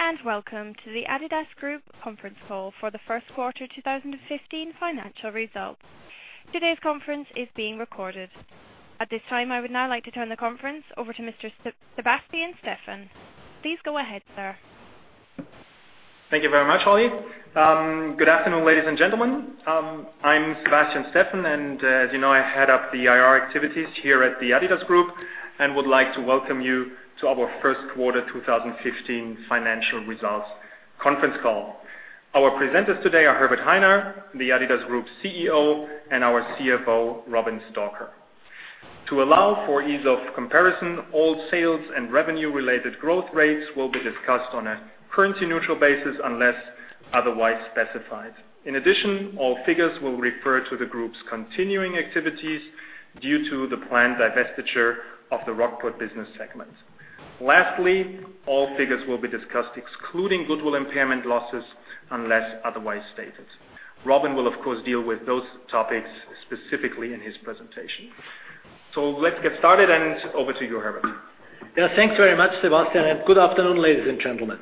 Good day, welcome to the adidas Group conference call for the first quarter 2015 financial results. Today's conference is being recorded. At this time, I would now like to turn the conference over to Mr. Sebastian Steffen. Please go ahead, sir. Thank you very much, Holly. Good afternoon, ladies and gentlemen. I'm Sebastian Steffen, and as you know, I head up the IR activities here at the adidas Group and would like to welcome you to our first quarter 2015 financial results conference call. Our presenters today are Herbert Hainer, the adidas Group CEO, and our CFO, Robin Stalker. To allow for ease of comparison, all sales and revenue-related growth rates will be discussed on a currency-neutral basis unless otherwise specified. In addition, all figures will refer to the group's continuing activities due to the planned divestiture of the Rockport business segment. Lastly, all figures will be discussed excluding goodwill impairment losses unless otherwise stated. Robin will, of course, deal with those topics specifically in his presentation. Let's get started, over to you, Herbert. Thanks very much, Sebastian, good afternoon, ladies and gentlemen.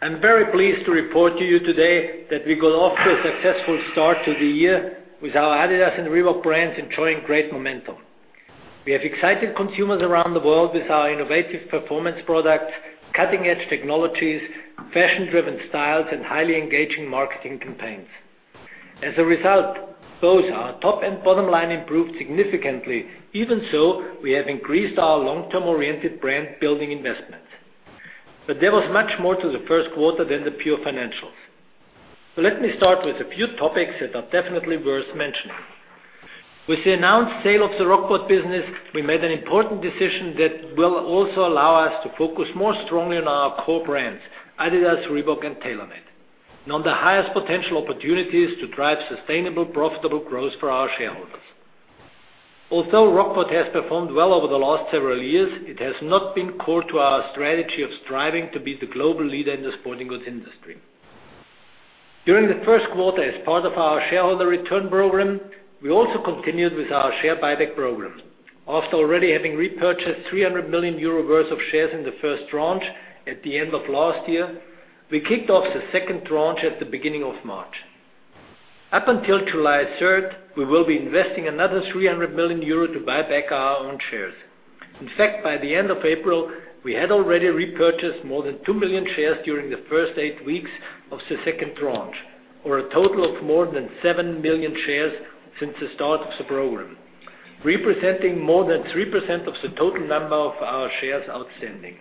I'm very pleased to report to you today that we got off to a successful start to the year with our adidas and Reebok brands enjoying great momentum. We have excited consumers around the world with our innovative performance products, cutting-edge technologies, fashion-driven styles, and highly engaging marketing campaigns. As a result, both our top and bottom line improved significantly. Even so, we have increased our long-term oriented brand-building investments. There was much more to the first quarter than the pure financials. Let me start with a few topics that are definitely worth mentioning. With the announced sale of the Rockport business, we made an important decision that will also allow us to focus more strongly on our core brands, adidas, Reebok, and TaylorMade, and on the highest potential opportunities to drive sustainable, profitable growth for our shareholders. Although Rockport has performed well over the last several years, it has not been core to our strategy of striving to be the global leader in the sporting goods industry. During the first quarter, as part of our shareholder return program, we also continued with our share buyback program. After already having repurchased 300 million euro worth of shares in the first tranche at the end of last year, we kicked off the second tranche at the beginning of March. Up until July 3rd, we will be investing another 300 million euro to buy back our own shares. In fact, by the end of April, we had already repurchased more than 2 million shares during the first 8 weeks of the second tranche. A total of more than 7 million shares since the start of the program, representing more than 3% of the total number of our shares outstanding.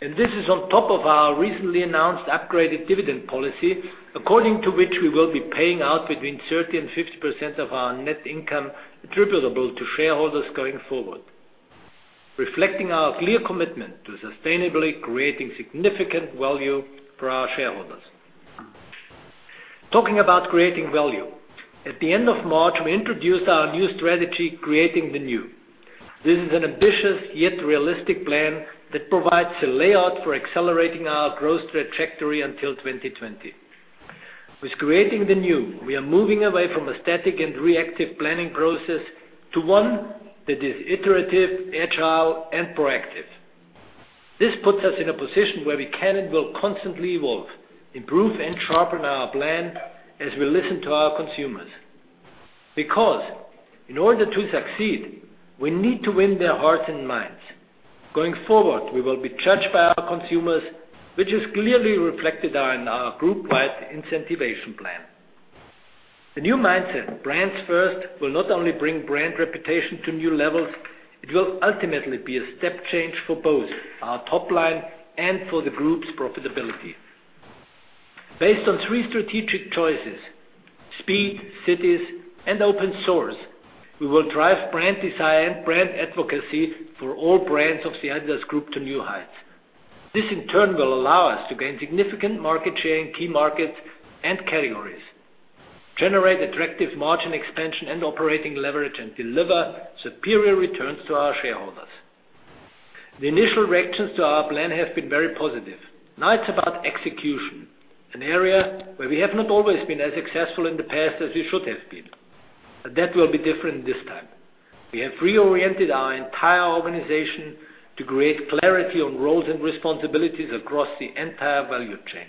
This is on top of our recently announced upgraded dividend policy, according to which we will be paying out between 30% and 50% of our net income attributable to shareholders going forward, reflecting our clear commitment to sustainably creating significant value for our shareholders. Talking about creating value. At the end of March, we introduced our new strategy, Creating the New. This is an ambitious, yet realistic plan that provides a layout for accelerating our growth trajectory until 2020. With Creating the New, we are moving away from a static and reactive planning process to one that is iterative, agile, and proactive. This puts us in a position where we can and will constantly evolve, improve, and sharpen our plan as we listen to our consumers. In order to succeed, we need to win their hearts and minds. Going forward, we will be judged by our consumers, which is clearly reflected in our group-wide incentivation plan. The new mindset, brands first, will not only bring brand reputation to new levels, it will ultimately be a step change for both our top line and for the group's profitability. Based on three strategic choices, speed, cities, and open source, we will drive brand design, brand advocacy for all brands of the adidas Group to new heights. This, in turn, will allow us to gain significant market share in key markets and categories, generate attractive margin expansion and operating leverage, and deliver superior returns to our shareholders. The initial reactions to our plan have been very positive. Now it's about execution, an area where we have not always been as successful in the past as we should have been. That will be different this time. We have reoriented our entire organization to create clarity on roles and responsibilities across the entire value chain.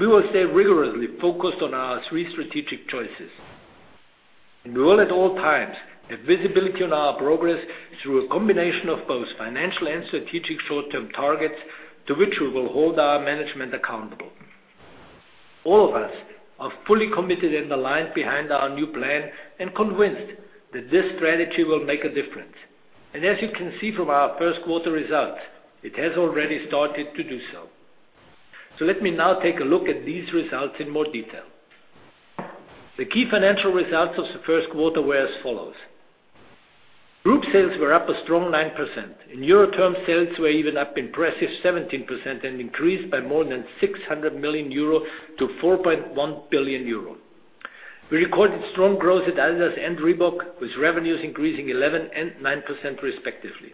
We will stay rigorously focused on our three strategic choices. We will, at all times, have visibility on our progress through a combination of both financial and strategic short-term targets to which we will hold our management accountable. All of us are fully committed and aligned behind our new plan and convinced that this strategy will make a difference. As you can see from our first quarter results, it has already started to do so. Let me now take a look at these results in more detail. The key financial results of the first quarter were as follows. Group sales were up a strong 9%. In euro terms, sales were even up impressive 17% and increased by more than 600 million euro to 4.1 billion euro. We recorded strong growth at adidas and Reebok, with revenues increasing 11% and 9% respectively.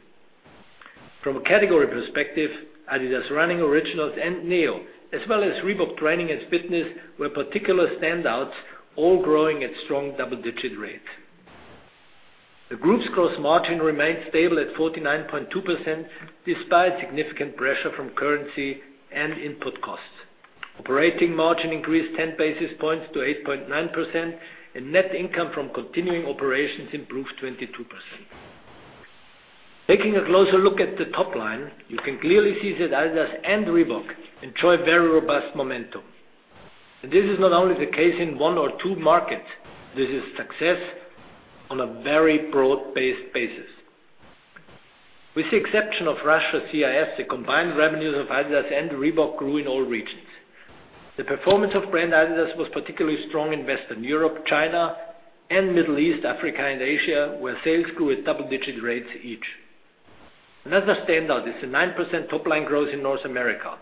From a category perspective, adidas Running, Originals, and NEO, as well as Reebok Training and Fitness, were particular standouts, all growing at strong double-digit rates. The group's gross margin remained stable at 49.2%, despite significant pressure from currency and input costs. Operating margin increased 10 basis points to 8.9%, and net income from continuing operations improved 22%. Taking a closer look at the top line, you can clearly see that adidas and Reebok enjoy very robust momentum. This is not only the case in one or two markets. This is success on a very broad-based basis. With the exception of Russia/CIS, the combined revenues of adidas and Reebok grew in all regions. The performance of brand adidas was particularly strong in Western Europe, China, and Middle East, Africa, and Asia, where sales grew at double-digit rates each. Another standout is the 9% top-line growth in North America,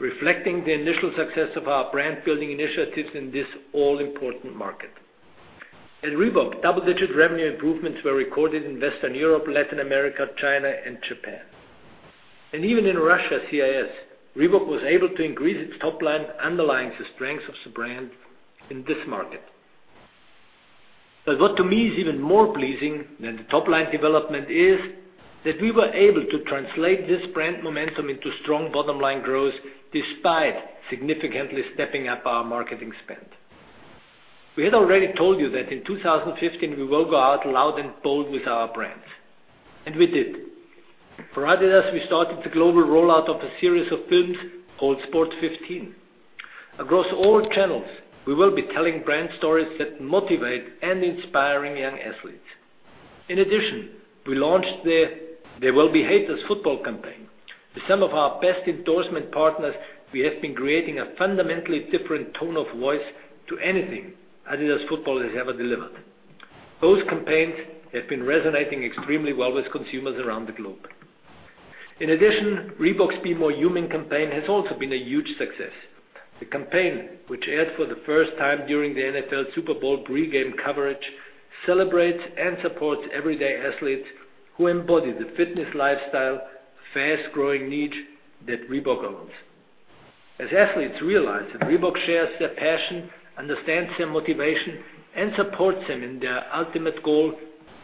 reflecting the initial success of our brand-building initiatives in this all-important market. At Reebok, double-digit revenue improvements were recorded in Western Europe, Latin America, China, and Japan. Even in Russia/CIS, Reebok was able to increase its top line, underlying the strength of the brand in this market. What to me is even more pleasing than the top-line development is that we were able to translate this brand momentum into strong bottom-line growth despite significantly stepping up our marketing spend. We had already told you that in 2015, we will go out loud and bold with our brands, and we did. For adidas, we started the global rollout of a series of films called Sport 15. Across all channels, we will be telling brand stories that motivate and inspiring young athletes. In addition, we launched the There Will Be Haters football campaign. With some of our best endorsement partners, we have been creating a fundamentally different tone of voice to anything adidas Football has ever delivered. Both campaigns have been resonating extremely well with consumers around the globe. In addition, Reebok's Be More Human campaign has also been a huge success. The campaign, which aired for the first time during the NFL Super Bowl pre-game coverage, celebrates and supports everyday athletes who embody the fitness lifestyle, a fast-growing niche that Reebok owns. As athletes realize that Reebok shares their passion, understands their motivation, and supports them in their ultimate goal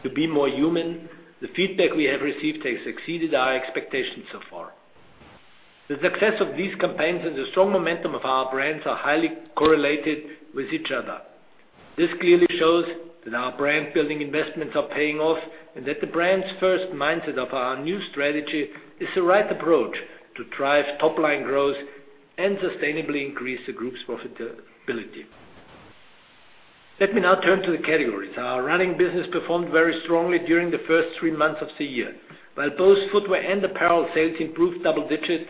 to be more human, the feedback we have received has exceeded our expectations so far. The success of these campaigns and the strong momentum of our brands are highly correlated with each other. This clearly shows that our brand-building investments are paying off and that the brand's first mindset of our new strategy is the right approach to drive top-line growth and sustainably increase the group's profitability. Let me now turn to the categories. Our running business performed very strongly during the first three months of the year. While both footwear and apparel sales improved double digits,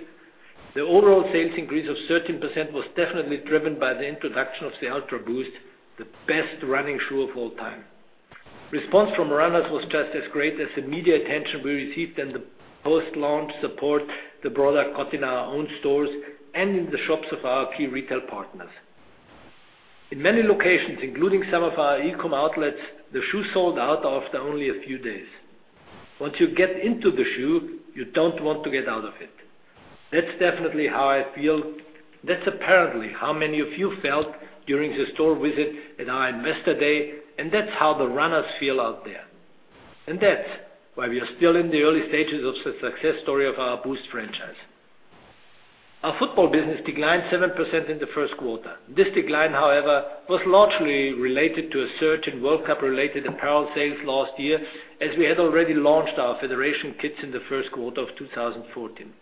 the overall sales increase of 13% was definitely driven by the introduction of the Ultraboost, the best running shoe of all time. Response from runners was just as great as the media attention we received and the post-launch support the product got in our own stores and in the shops of our key retail partners. In many locations, including some of our e-com outlets, the shoe sold out after only a few days. Once you get into the shoe, you don't want to get out of it. That's definitely how I feel. That's apparently how many of you felt during your store visit at our Investor Day, and that's how the runners feel out there. That's why we are still in the early stages of the success story of our Boost franchise. Our football business declined 7% in the first quarter. This decline, however, was largely related to a surge in World Cup-related apparel sales last year, as we had already launched our federation kits in the first quarter of 2014.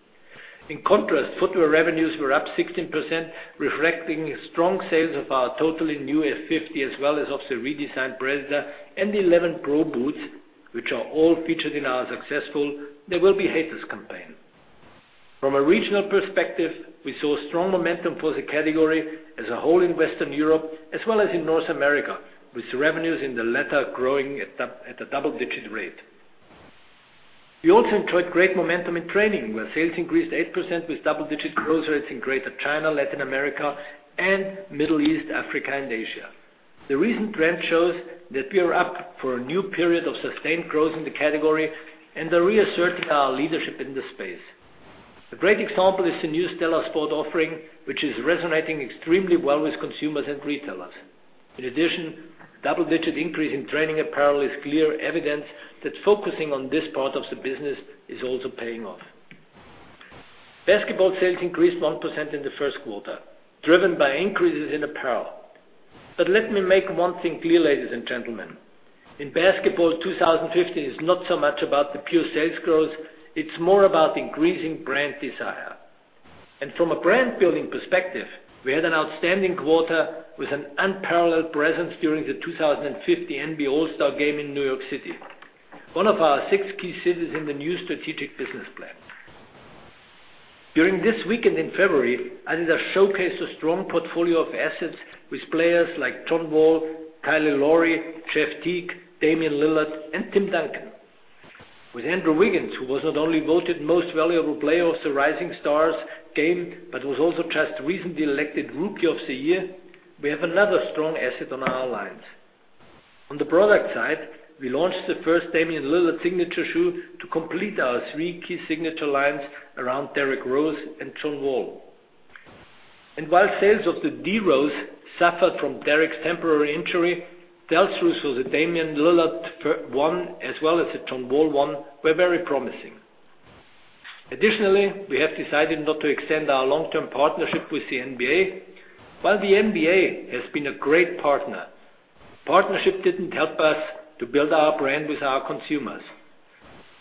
In contrast, footwear revenues were up 16%, reflecting strong sales of our totally new F50 as well as of the redesigned Predator and 11Pro boots, which are all featured in our successful There Will Be Haters campaign. From a regional perspective, we saw strong momentum for the category as a whole in Western Europe as well as in North America, with revenues in the latter growing at a double-digit rate. We also enjoyed great momentum in training, where sales increased 8% with double-digit growth rates in Greater China, Latin America, and Middle East, Africa, and Asia. The recent trend shows that we are up for a new period of sustained growth in the category and are reasserting our leadership in the space. A great example is the new Stella Sport offering, which is resonating extremely well with consumers and retailers. In addition, double-digit increase in training apparel is clear evidence that focusing on this part of the business is also paying off. Basketball sales increased 1% in the first quarter, driven by increases in apparel. Let me make one thing clear, ladies and gentlemen, in basketball, 2015 is not so much about the pure sales growth. It's more about increasing brand desire. From a brand-building perspective, we had an outstanding quarter with an unparalleled presence during the 2015 NBA All-Star game in New York City, one of our six key cities in the new strategic business plan. During this weekend in February, adidas showcased a strong portfolio of assets with players like John Wall, Kyle Lowry, Jeff Teague, Damian Lillard, and Tim Duncan. With Andrew Wiggins, who was not only voted Most Valuable Player of the Rising Stars Challenge, but was also just recently elected Rookie of the Year, we have another strong asset on our lines. On the product side, we launched the first Damian Lillard signature shoe to complete our three key signature lines around Derrick Rose and John Wall. While sales of the D Rose suffered from Derrick's temporary injury, sell-throughs for the adidas D Lillard 1, as well as the adidas J Wall 1, were very promising. Additionally, we have decided not to extend our long-term partnership with the NBA. While the NBA has been a great partner, the partnership didn't help us to build our brand with our consumers.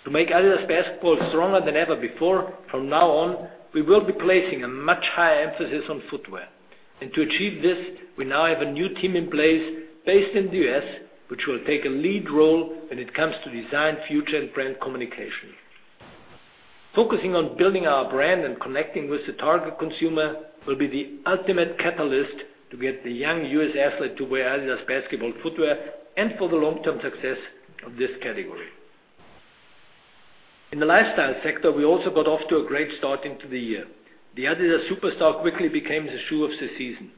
To make adidas Basketball stronger than ever before, from now on, we will be placing a much higher emphasis on footwear. To achieve this, we now have a new team in place based in the U.S., which will take a lead role when it comes to design, future, and brand communication. Focusing on building our brand and connecting with the target consumer will be the ultimate catalyst to get the young U.S. athlete to wear adidas Basketball footwear and for the long-term success of this category. In the lifestyle sector, we also got off to a great start into the year. The adidas Superstar quickly became the shoe of the season.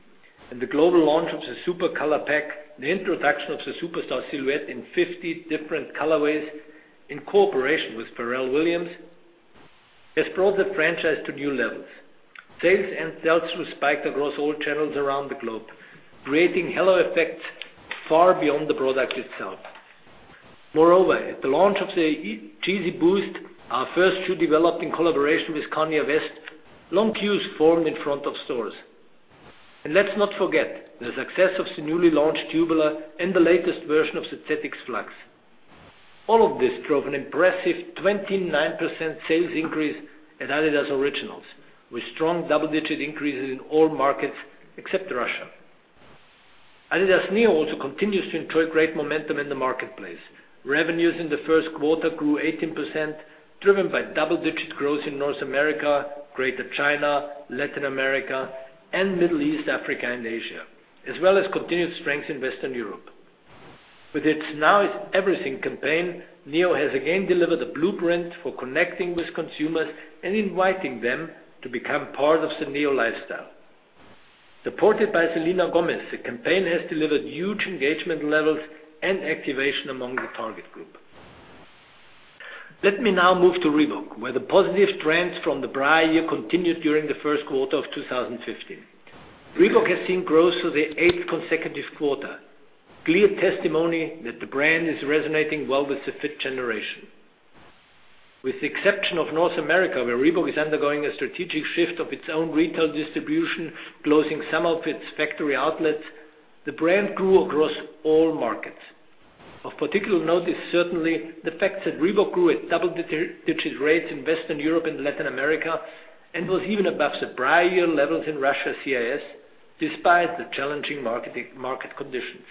The global launch of the Supercolor and the introduction of the Superstar silhouette in 50 different colorways in cooperation with Pharrell Williams has brought the franchise to new levels. Sales and sell-through spiked across all channels around the globe, creating halo effects far beyond the product itself. Moreover, at the launch of the Yeezy Boost, our first shoe developed in collaboration with Kanye West, long queues formed in front of stores. Let's not forget the success of the newly launched Tubular and the latest version of the ZX Flux. All of this drove an impressive 29% sales increase at adidas Originals, with strong double-digit increases in all markets except Russia. adidas NEO also continues to enjoy great momentum in the marketplace. Revenues in the first quarter grew 18%, driven by double-digit growth in North America, Greater China, Latin America, and Middle East, Africa, and Asia, as well as continued strength in Western Europe. With its Now is Everything campaign, NEO has again delivered a blueprint for connecting with consumers and inviting them to become part of the NEO lifestyle. Supported by Selena Gomez, the campaign has delivered huge engagement levels and activation among the target group. Let me now move to Reebok, where the positive trends from the prior year continued during the first quarter of 2015. Reebok has seen growth through the eighth consecutive quarter, clear testimony that the brand is resonating well with the fit generation. With the exception of North America, where Reebok is undergoing a strategic shift of its own retail distribution, closing some of its factory outlets, the brand grew across all markets. Of particular note is certainly the fact that Reebok grew at double-digit rates in Western Europe and Latin America and was even above the prior year levels in Russia and CIS, despite the challenging market conditions.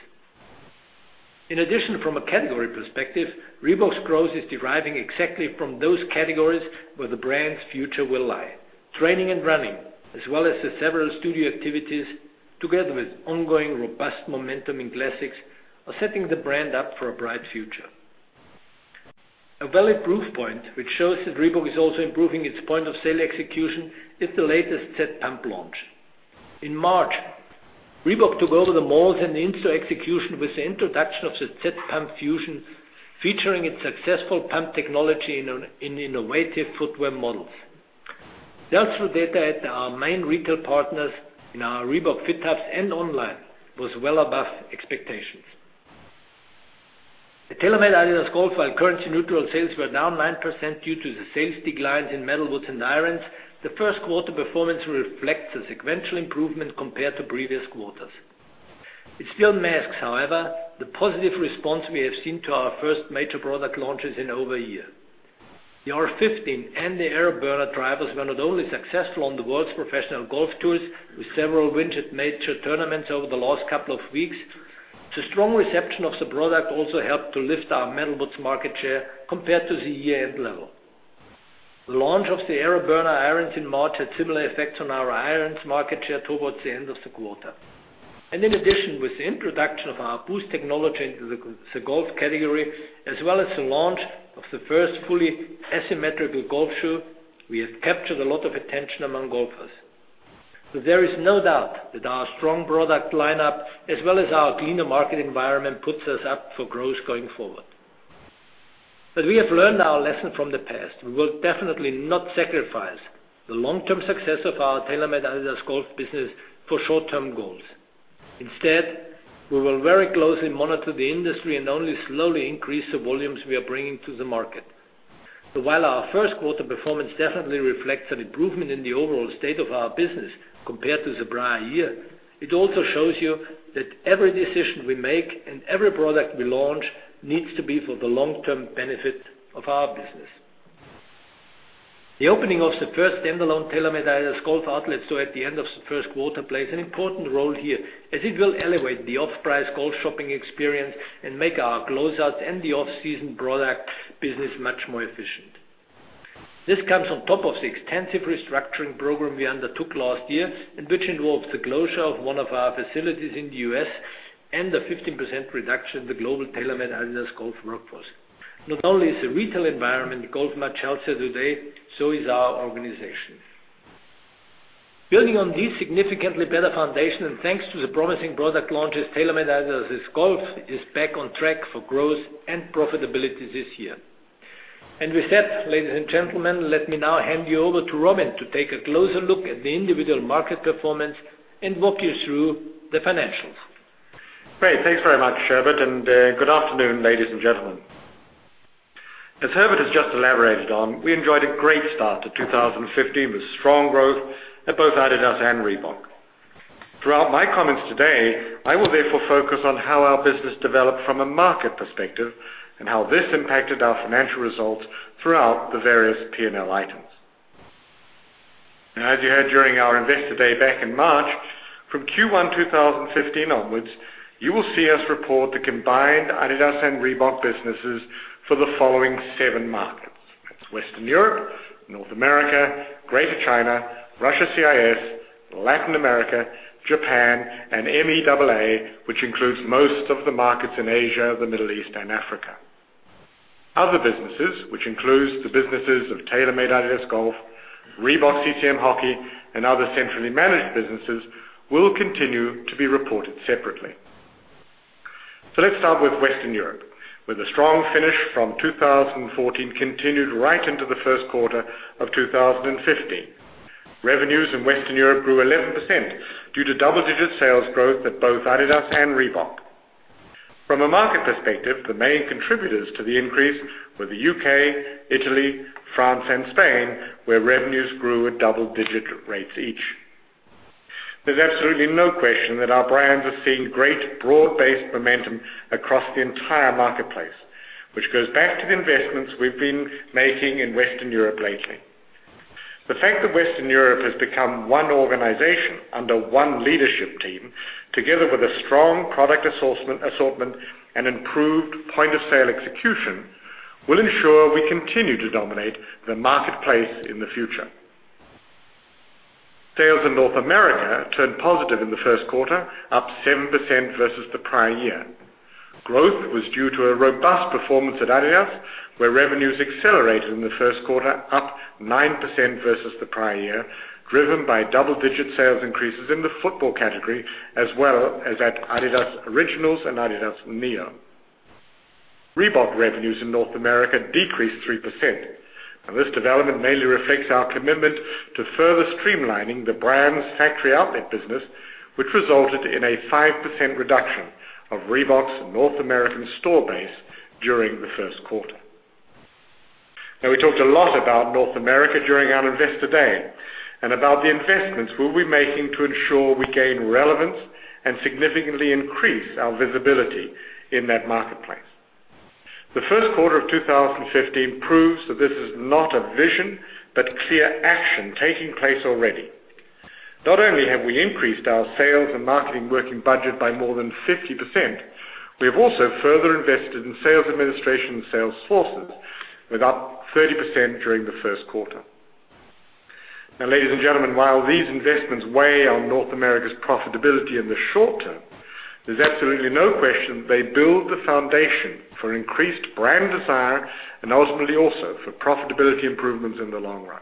From a category perspective, Reebok's growth is deriving exactly from those categories where the brand's future will lie. Training and running, as well as the several studio activities, together with ongoing robust momentum in classics, are setting the brand up for a bright future. A valid proof point which shows that Reebok is also improving its point of sale execution is the latest ZPump launch. In March, Reebok took over the malls and in-store execution with the introduction of the ZPump Fusion, featuring its successful pump technology in innovative footwear models. Sell-through data at our main retail partners in our Reebok FitHubs and online was well above expectations. At TaylorMade-adidas Golf, while currency-neutral sales were down 9% due to the sales declines in metalwoods and irons, the first quarter performance reflects a sequential improvement compared to previous quarters. It still masks, however, the positive response we have seen to our first major product launches in over a year. The R15 and the AeroBurner drivers were not only successful on the world's professional golf tours, with several wins at major tournaments over the last couple of weeks. The strong reception of the product also helped to lift our metalwoods market share compared to the year-end level. The launch of the AeroBurner irons in March had similar effects on our irons market share towards the end of the quarter. In addition, with the introduction of our Boost technology into the golf category, as well as the launch of the first fully asymmetrical golf shoe, we have captured a lot of attention among golfers. There is no doubt that our strong product lineup, as well as our cleaner market environment, puts us up for growth going forward. We have learned our lesson from the past. We will definitely not sacrifice the long-term success of our TaylorMade-adidas Golf business for short-term goals. Instead, we will very closely monitor the industry and only slowly increase the volumes we are bringing to the market. While our first quarter performance definitely reflects an improvement in the overall state of our business compared to the prior year, it also shows you that every decision we make and every product we launch needs to be for the long-term benefit of our business. The opening of the first standalone TaylorMade-adidas Golf outlet store at the end of the first quarter plays an important role here, as it will elevate the off-price golf shopping experience and make our closeouts and the off-season product business much more efficient. This comes on top of the extensive restructuring program we undertook last year and which involved the closure of one of our facilities in the U.S. and a 15% reduction in the global TaylorMade-adidas Golf workforce. Not only is the retail environment in golf much healthier today, so is our organization. Building on this significantly better foundation and thanks to the promising product launches, TaylorMade-adidas Golf is back on track for growth and profitability this year. With that, ladies and gentlemen, let me now hand you over to Robin to take a closer look at the individual market performance and walk you through the financials. Great. Thanks very much, Herbert, and good afternoon, ladies and gentlemen. As Herbert has just elaborated on, we enjoyed a great start to 2015 with strong growth at both adidas and Reebok. Throughout my comments today, I will therefore focus on how our business developed from a market perspective and how this impacted our financial results throughout the various P&L items. As you heard during our Investor Day back in March, from Q1 2015 onwards, you will see us report the combined adidas and Reebok businesses for the following seven markets. That's Western Europe, North America, Greater China, Russia CIS, Latin America, Japan, and MEAA, which includes most of the markets in Asia, the Middle East, and Africa. Other businesses, which includes the businesses of TaylorMade-adidas Golf, Reebok-CCM Hockey, and other centrally managed businesses, will continue to be reported separately. Let's start with Western Europe, where the strong finish from 2014 continued right into the first quarter of 2015. Revenues in Western Europe grew 11% due to double-digit sales growth at both adidas and Reebok. From a market perspective, the main contributors to the increase were the U.K., Italy, France, and Spain, where revenues grew at double-digit rates each. There's absolutely no question that our brands are seeing great broad-based momentum across the entire marketplace, which goes back to the investments we've been making in Western Europe lately. The fact that Western Europe has become one organization under one leadership team, together with a strong product assortment and improved point-of-sale execution, will ensure we continue to dominate the marketplace in the future. Sales in North America turned positive in the first quarter, up 7% versus the prior year. Growth was due to a robust performance at adidas, where revenues accelerated in the first quarter, up 9% versus the prior year, driven by double-digit sales increases in the football category, as well as at adidas Originals and adidas NEO. Reebok revenues in North America decreased 3%, and this development mainly reflects our commitment to further streamlining the brand's factory outlet business, which resulted in a 5% reduction of Reebok's North American store base during the first quarter. We talked a lot about North America during our Investor Day and about the investments we'll be making to ensure we gain relevance and significantly increase our visibility in that marketplace. The first quarter of 2015 proves that this is not a vision but clear action taking place already. Not only have we increased our sales and marketing working budget by more than 50%, we have also further invested in sales administration and sales forces. We're up 30% during the first quarter. Ladies and gentlemen, while these investments weigh on North America's profitability in the short term, there's absolutely no question they build the foundation for increased brand desire and ultimately also for profitability improvements in the long run.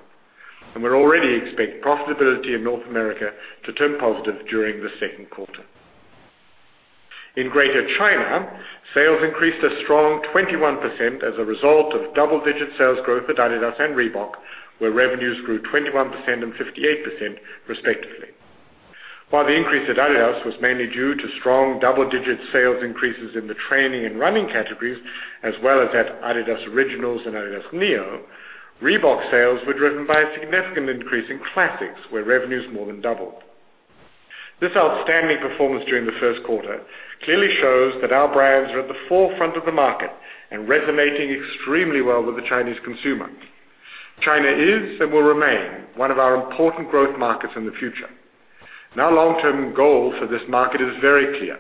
We already expect profitability in North America to turn positive during the second quarter. In Greater China, sales increased a strong 21% as a result of double-digit sales growth at adidas and Reebok, where revenues grew 21% and 58% respectively. While the increase at adidas was mainly due to strong double-digit sales increases in the training and running categories, as well as at adidas Originals and adidas NEO, Reebok sales were driven by a significant increase in classics, where revenues more than doubled. This outstanding performance during the first quarter clearly shows that our brands are at the forefront of the market and resonating extremely well with the Chinese consumer. China is and will remain one of our important growth markets in the future. Our long-term goal for this market is very clear.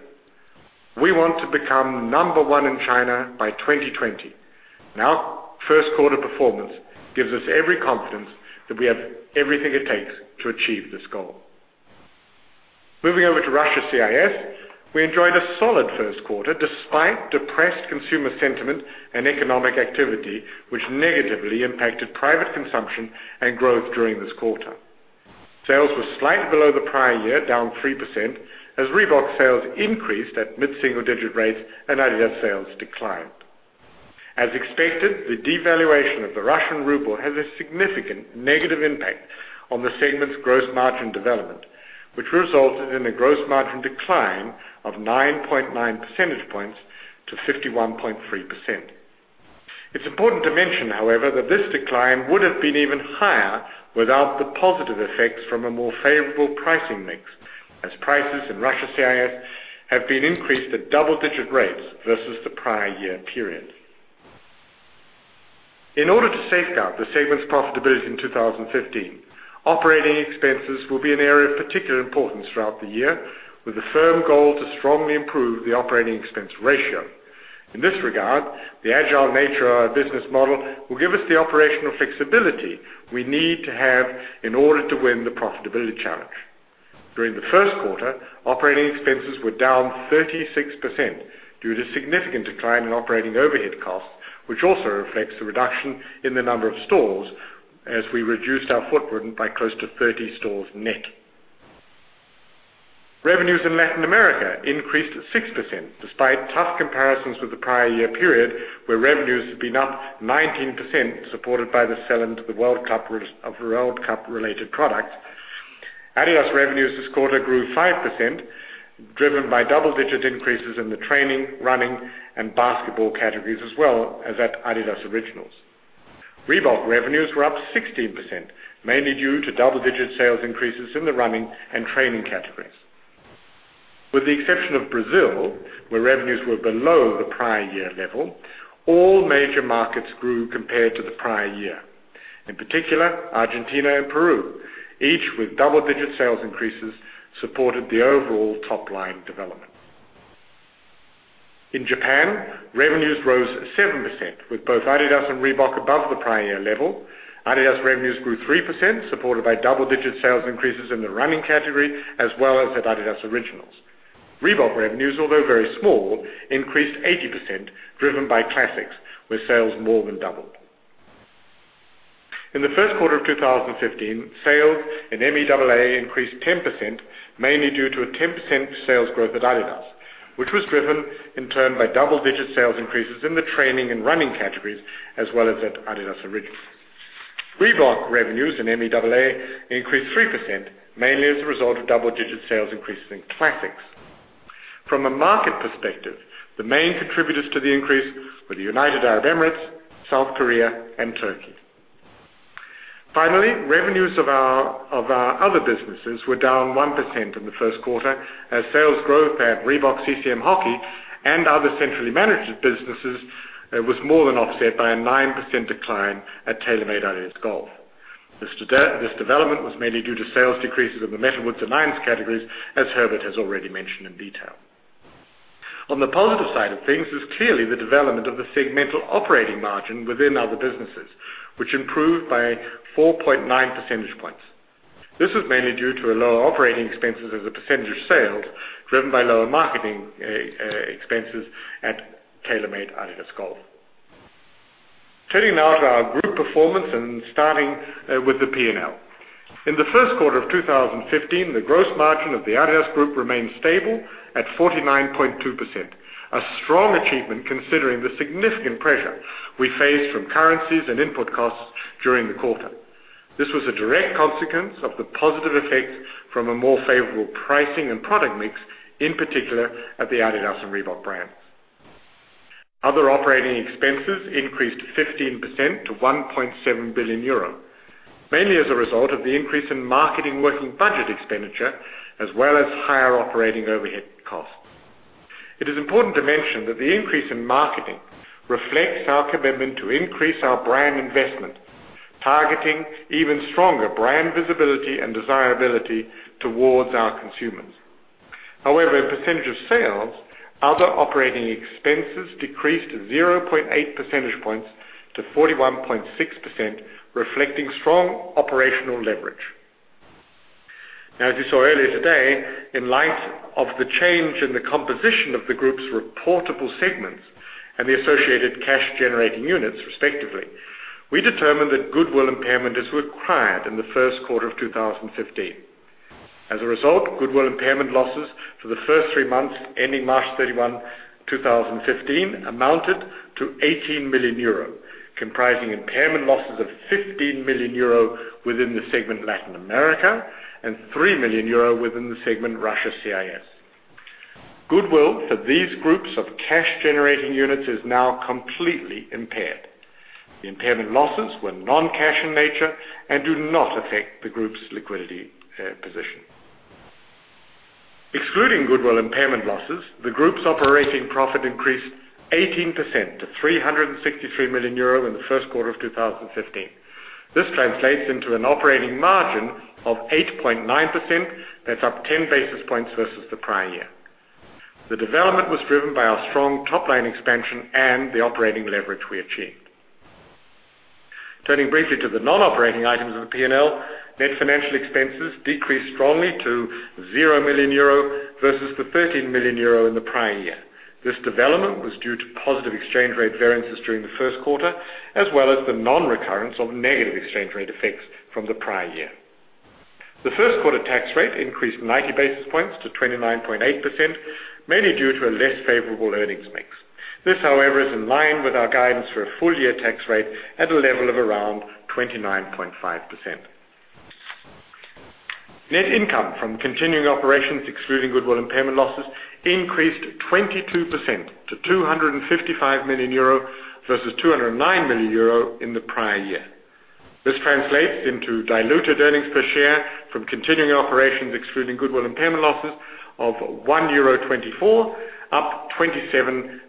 We want to become number one in China by 2020. First quarter performance gives us every confidence that we have everything it takes to achieve this goal. Moving over to Russia CIS, we enjoyed a solid first quarter despite depressed consumer sentiment and economic activity, which negatively impacted private consumption and growth during this quarter. Sales were slightly below the prior year, down 3%, as Reebok sales increased at mid-single digit rates and adidas sales declined. As expected, the devaluation of the Russian ruble had a significant negative impact on the segment's gross margin development, which resulted in a gross margin decline of 9.9 percentage points to 51.3%. It's important to mention, however, that this decline would have been even higher without the positive effects from a more favorable pricing mix, as prices in Russia CIS have been increased at double-digit rates versus the prior year period. In order to safeguard the segment's profitability in 2015, operating expenses will be an area of particular importance throughout the year, with a firm goal to strongly improve the operating expense ratio. In this regard, the agile nature of our business model will give us the operational flexibility we need to have in order to win the profitability challenge. During the first quarter, operating expenses were down 36% due to significant decline in operating overhead costs, which also reflects the reduction in the number of stores as we reduced our footprint by close to 30 stores net. Revenues in Latin America increased 6%, despite tough comparisons with the prior year period, where revenues had been up 19%, supported by the sell into the World Cup of World Cup-related products. adidas revenues this quarter grew 5%, driven by double-digit increases in the training, running, and basketball categories, as well as at adidas Originals. Reebok revenues were up 16%, mainly due to double-digit sales increases in the running and training categories. With the exception of Brazil, where revenues were below the prior year level, all major markets grew compared to the prior year. In particular, Argentina and Peru, each with double-digit sales increases, supported the overall top-line development. In Japan, revenues rose 7%, with both adidas and Reebok above the prior year level. adidas revenues grew 3%, supported by double-digit sales increases in the running category, as well as at adidas Originals. Reebok revenues, although very small, increased 80%, driven by classics, where sales more than doubled. In the first quarter of 2015, sales in MEAA increased 10%, mainly due to a 10% sales growth at adidas, which was driven in turn by double-digit sales increases in the training and running categories, as well as at adidas Originals. Reebok revenues in MEAA increased 3%, mainly as a result of double-digit sales increases in classics. From a market perspective, the main contributors to the increase were the United Arab Emirates, South Korea, and Turkey. Revenues of our other businesses were down 1% in the first quarter, as sales growth at Reebok-CCM Hockey and other centrally managed businesses was more than offset by a 9% decline at TaylorMade-adidas Golf. This development was mainly due to sales decreases in the metalwoods and irons categories, as Herbert has already mentioned in detail. On the positive side of things is clearly the development of the segmental operating margin within other businesses, which improved by 4.9 percentage points. This was mainly due to lower operating expenses as a percentage of sales, driven by lower marketing expenses at TaylorMade-adidas Golf. Turning now to our group performance and starting with the P&L. In the first quarter of 2015, the gross margin of the adidas Group remained stable at 49.2%, a strong achievement considering the significant pressure we faced from currencies and input costs during the quarter. This was a direct consequence of the positive effects from a more favorable pricing and product mix, in particular at the adidas and Reebok brands. Other operating expenses increased 15% to 1.7 billion euro, mainly as a result of the increase in marketing working budget expenditure, as well as higher operating overhead costs. It is important to mention that the increase in marketing reflects our commitment to increase our brand investment, targeting even stronger brand visibility and desirability towards our consumers. However, percentage of sales, other operating expenses decreased 0.8 percentage points to 41.6%, reflecting strong operational leverage. Now, as you saw earlier today, in light of the change in the composition of the group's reportable segments and the associated cash-generating units, respectively, we determined that goodwill impairment is required in the first quarter of 2015. As a result, goodwill impairment losses for the first three months ending March 31, 2015, amounted to 18 million euro, comprising impairment losses of 15 million euro within the segment Latin America and 3 million euro within the segment Russia CIS. Goodwill for these groups of cash-generating units is now completely impaired. The impairment losses were non-cash in nature and do not affect the group's liquidity position. Excluding goodwill impairment losses, the group's operating profit increased 18% to 363 million euro in the first quarter of 2015. This translates into an operating margin of 8.9%. That's up 10 basis points versus the prior year. The development was driven by our strong top-line expansion and the operating leverage we achieved. Turning briefly to the non-operating items of the P&L, net financial expenses decreased strongly to 0 million euro versus the 13 million euro in the prior year. This development was due to positive exchange rate variances during the first quarter, as well as the non-recurrence of negative exchange rate effects from the prior year. The first quarter tax rate increased 90 basis points to 29.8%, mainly due to a less favorable earnings mix. This, however, is in line with our guidance for a full-year tax rate at a level of around 29.5%. Net income from continuing operations, excluding goodwill impairment losses, increased 22% to 255 million euro, versus 209 million euro in the prior year. This translates into diluted earnings per share from continuing operations, excluding goodwill impairment losses, of 1.24 euro, up 27%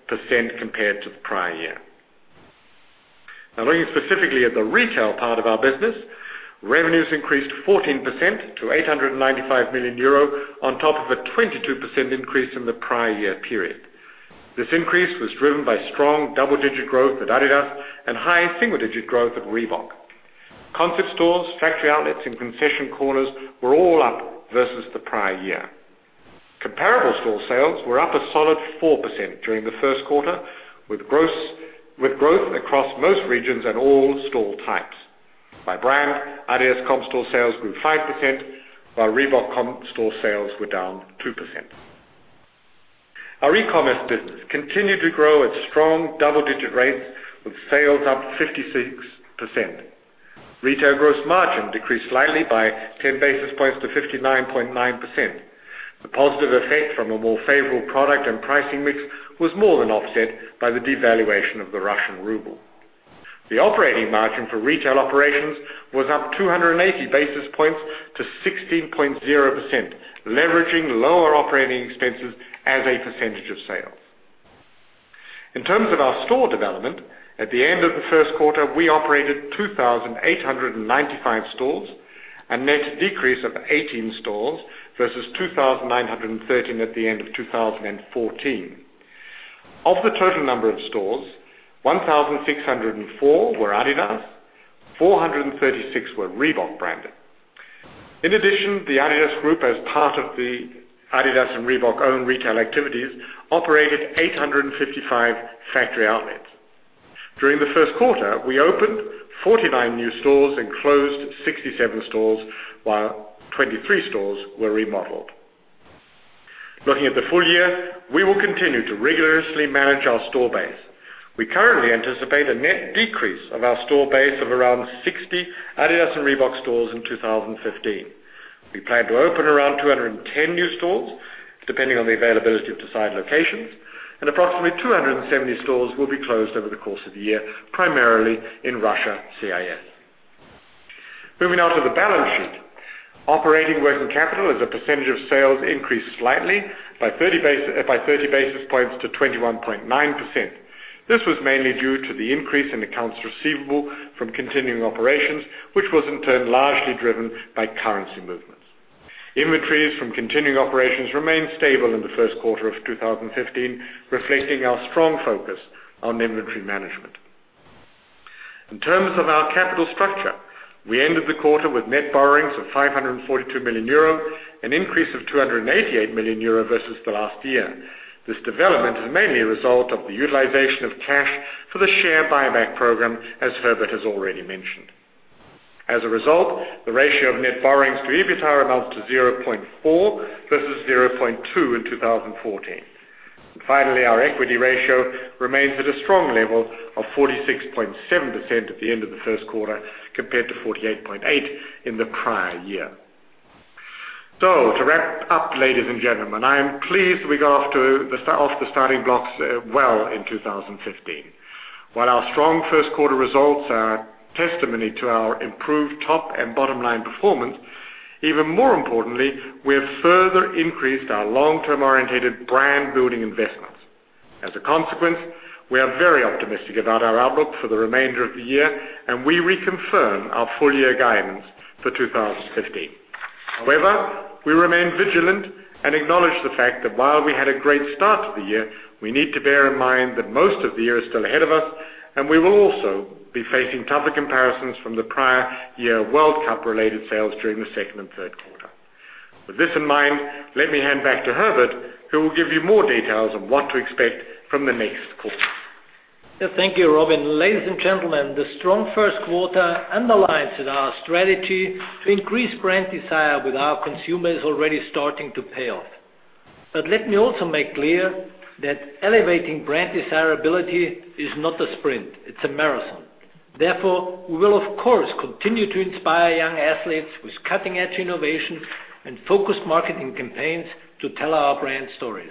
compared to the prior year. Now, looking specifically at the retail part of our business, revenues increased 14% to 895 million euro, on top of a 22% increase in the prior year period. This increase was driven by strong double-digit growth at adidas and high single-digit growth at Reebok. Concept stores, factory outlets, and concession corners were all up versus the prior year. Comparable store sales were up a solid 4% during the first quarter, with growth across most regions and all store types. By brand, adidas comp store sales grew 5%, while Reebok comp store sales were down 2%. Our e-commerce business continued to grow at strong double-digit rates with sales up 56%. Retail gross margin decreased slightly by 10 basis points to 59.9%. The positive effect from a more favorable product and pricing mix was more than offset by the devaluation of the Russian ruble. The operating margin for retail operations was up 280 basis points to 16.0%, leveraging lower operating expenses as a percentage of sales. In terms of our store development, at the end of the first quarter, we operated 2,895 stores, a net decrease of 18 stores versus 2,913 at the end of 2014. Of the total number of stores, 1,604 were adidas, 436 were Reebok branded. In addition, the adidas Group, as part of the adidas and Reebok owned retail activities, operated 855 factory outlets. During the first quarter, we opened 49 new stores and closed 67 stores, while 23 stores were remodeled. Looking at the full year, we will continue to rigorously manage our store base. We currently anticipate a net decrease of our store base of around 60 adidas and Reebok stores in 2015. We plan to open around 210 new stores, depending on the availability of desired locations, and approximately 270 stores will be closed over the course of the year, primarily in Russia, CIS. Moving on to the balance sheet. Operating working capital as a percentage of sales increased slightly by 30 basis points to 21.9%. This was mainly due to the increase in accounts receivable from continuing operations, which was in turn largely driven by currency movements. Inventories from continuing operations remained stable in the first quarter of 2015, reflecting our strong focus on inventory management. In terms of our capital structure, we ended the quarter with net borrowings of 542 million euro, an increase of 288 million euro versus the last year. This development is mainly a result of the utilization of cash for the share buyback program, as Herbert has already mentioned. As a result, the ratio of net borrowings to EBITDA amounts to 0.4 versus 0.2 in 2014. Finally, our equity ratio remains at a strong level of 46.7% at the end of the first quarter, compared to 48.8% in the prior year. To wrap up, ladies and gentlemen, I am pleased we got off to the starting blocks well in 2015. While our strong first quarter results are testimony to our improved top and bottom-line performance, even more importantly, we have further increased our long-term orientated brand-building investments. As a consequence, we are very optimistic about our outlook for the remainder of the year, and we reconfirm our full-year guidance for 2015. However, we remain vigilant and acknowledge the fact that while we had a great start to the year, we need to bear in mind that most of the year is still ahead of us, and we will also be facing tougher comparisons from the prior year World Cup-related sales during the second and third quarter. With this in mind, let me hand back to Herbert, who will give you more details on what to expect from the next quarter. Thank you, Robin. Ladies and gentlemen, the strong first quarter underlines that our strategy to increase brand desire with our consumers already starting to pay off. Let me also make clear that elevating brand desirability is not a sprint, it's a marathon. Therefore, we will, of course, continue to inspire young athletes with cutting-edge innovation and focused marketing campaigns to tell our brand stories.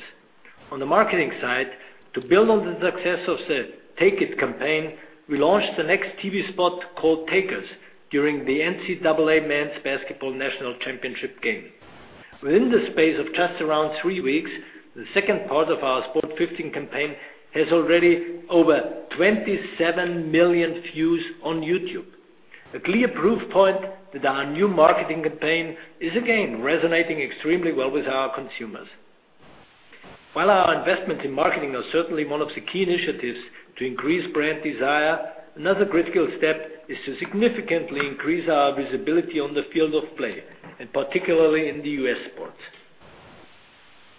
On the marketing side, to build on the success of the "Take It" campaign, we launched the next TV spot called "Takers" during the NCAA Men's Basketball National Championship game. Within the space of just around three weeks, the second part of our Sport 15 campaign has already over 27 million views on YouTube. A clear proof point that our new marketing campaign is again resonating extremely well with our consumers. While our investments in marketing are certainly one of the key initiatives to increase brand desire, another critical step is to significantly increase our visibility on the field of play, and particularly in U.S. sports.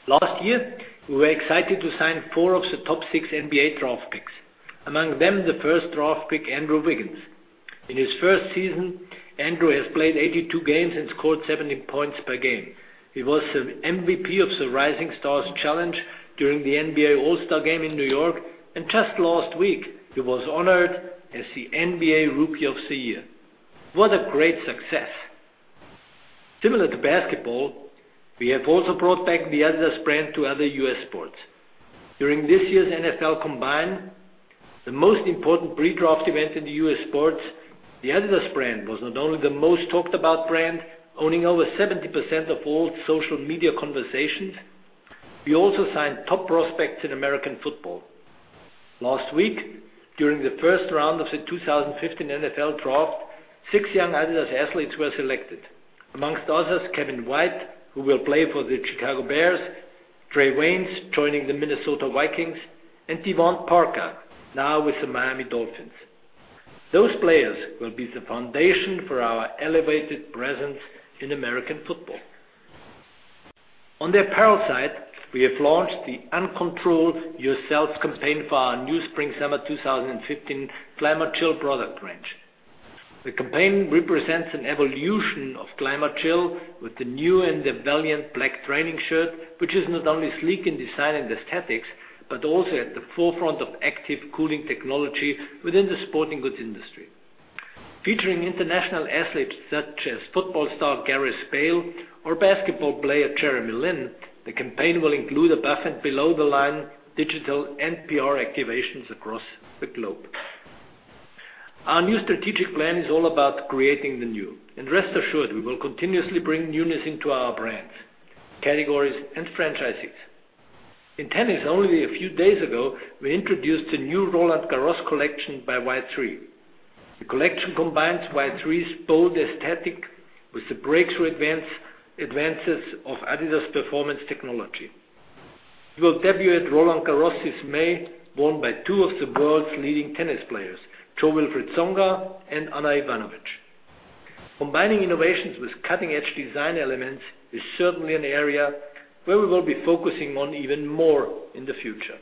Last year, we were excited to sign four of the top six NBA draft picks, among them the first draft pick, Andrew Wiggins. In his first season, Andrew has played 82 games and scored 17 points per game. He was the MVP of the Rising Stars Challenge during the NBA All-Star Game in N.Y., and just last week, he was honored as the NBA Rookie of the Year. What a great success. Similar to basketball, we have also brought back the adidas brand to other U.S. sports. During this year's NFL Scouting Combine, the most important pre-draft event in U.S. sports, the adidas brand was not only the most talked about brand, owning over 70% of all social media conversations, we also signed top prospects in American football. Last week, during the first round of the 2015 NFL draft, six young adidas athletes were selected. Among others, Kevin White, who will play for the Chicago Bears, Trae Waynes, joining the Minnesota Vikings, and DeVante Parker, now with the Miami Dolphins. Those players will be the foundation for our elevated presence in American football. On the apparel side, we have launched the Uncontrol Yourself campaign for our new spring-summer 2015 ClimaChill product range. The campaign represents an evolution of ClimaChill with the new and [the Valiant] black training shirt, which is not only sleek in design and aesthetics, but also at the forefront of active cooling technology within the sporting goods industry. Featuring international athletes such as football star Gareth Bale or basketball player Jeremy Lin, the campaign will include above and below the line digital PR activations across the globe. Our new strategic plan is all about Creating the New. Rest assured, we will continuously bring newness into our brands, categories, and franchises. In tennis, only a few days ago, we introduced a new Roland-Garros collection by Y-3. The collection combines Y-3's bold aesthetic with the breakthrough advances of adidas performance technology. It will debut at Roland-Garros this May, worn by two of the world's leading tennis players, Jo-Wilfried Tsonga and Ana Ivanovic. Combining innovations with cutting-edge design elements is certainly an area where we will be focusing on even more in the future.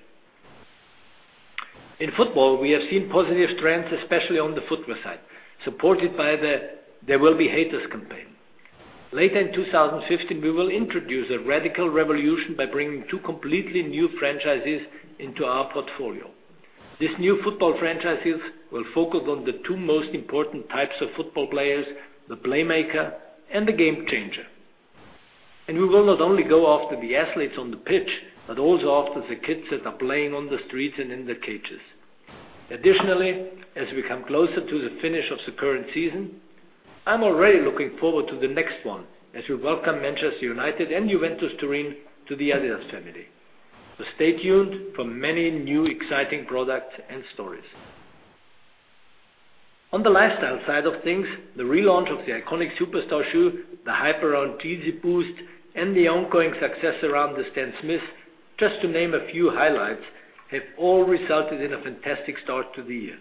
In football, we have seen positive trends, especially on the footwear side, supported by the There Will Be Haters campaign. Later in 2015, we will introduce a radical revolution by bringing two completely new franchises into our portfolio. These new football franchises will focus on the two most important types of football players, the playmaker and the game-changer. We will not only go after the athletes on the pitch, but also after the kids that are playing on the streets and in the cages. Additionally, as we come closer to the finish of the current season, I'm already looking forward to the next one, as we welcome Manchester United and Juventus Turin to the adidas family. Stay tuned for many new exciting products and stories. On the lifestyle side of things, the relaunch of the iconic Superstar shoe, the hype around Yeezy Boost, and the ongoing success around the Stan Smith, just to name a few highlights, have all resulted in a fantastic start to the year.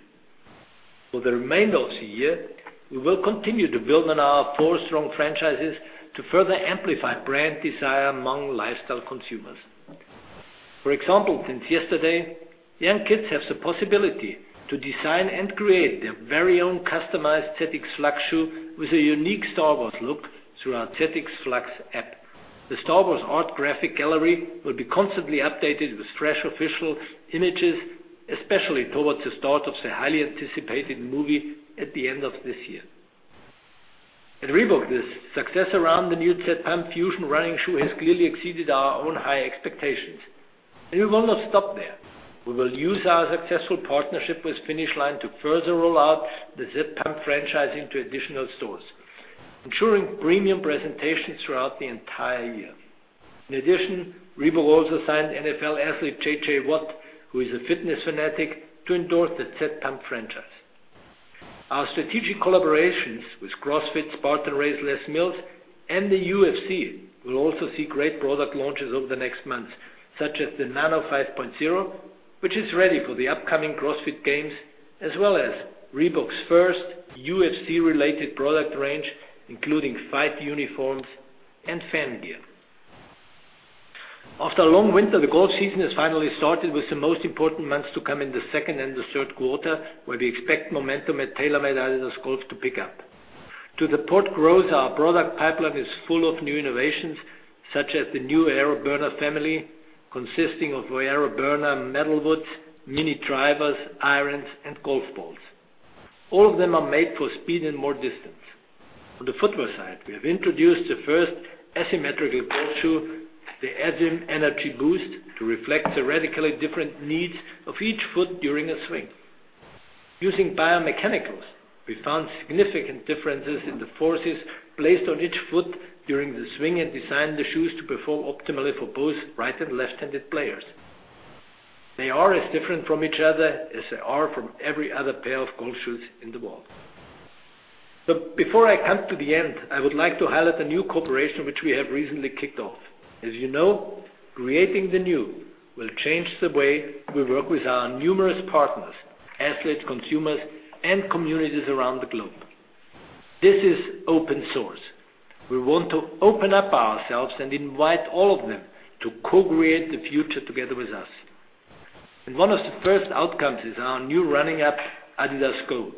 For the remainder of the year, we will continue to build on our four strong franchises to further amplify brand desire among lifestyle consumers. For example, since yesterday, young kids have the possibility to design and create their very own customized ZX Flux shoe with a unique Star Wars look through our ZX Flux app. The Star Wars art graphic gallery will be constantly updated with fresh official images, especially towards the start of the highly anticipated movie at the end of this year. At Reebok, the success around the new ZPump Fusion running shoe has clearly exceeded our own high expectations. We will not stop there. We will use our successful partnership with Finish Line to further roll out the ZPump franchise into additional stores, ensuring premium presentation throughout the entire year. In addition, Reebok also signed NFL athlete J.J. Watt, who is a fitness fanatic, to endorse the ZPump franchise. Our strategic collaborations with CrossFit, Spartan Race, and Les Mills and the UFC will also see great product launches over the next months, such as the Nano 5.0, which is ready for the upcoming CrossFit Games, as well as Reebok's first UFC-related product range, including fight uniforms and fan gear. After a long winter, the golf season has finally started with the most important months to come in the second and the third quarter, where we expect momentum at TaylorMade-adidas Golf to pick up. To that purpose, our product pipeline is full of new innovations, such as the new AeroBurner family, consisting of AeroBurner metalwoods, mini drivers, irons, and golf balls. All of them are made for speed and more distance. On the footwear side, we have introduced the first asymmetrical golf shoe, the adipower Boost, to reflect the radically different needs of each foot during a swing. Using biomechanics, we found significant differences in the forces placed on each foot during the swing and designed the shoes to perform optimally for both right and left-handed players. They are as different from each other as they are from every other pair of golf shoes in the world. Before I come to the end, I would like to highlight a new cooperation which we have recently kicked off. As you know, Creating the New will change the way we work with our numerous partners, athletes, consumers, and communities around the globe. This is open source. We want to open up ourselves and invite all of them to co-create the future together with us. One of the first outcomes is our new running app, adidas Go,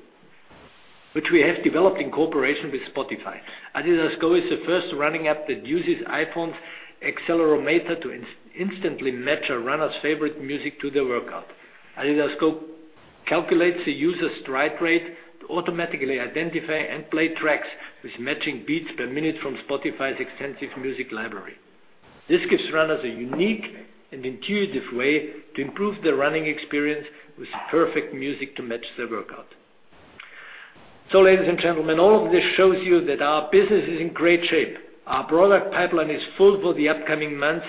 which we have developed in cooperation with Spotify. adidas Go is the first running app that uses iPhone's accelerometer to instantly match a runner's favorite music to their workout. adidas Go calculates the user's stride rate to automatically identify and play tracks with matching beats per minute from Spotify's extensive music library. This gives runners a unique and intuitive way to improve their running experience with perfect music to match their workout. Ladies and gentlemen, all of this shows you that our business is in great shape. Our product pipeline is full for the upcoming months,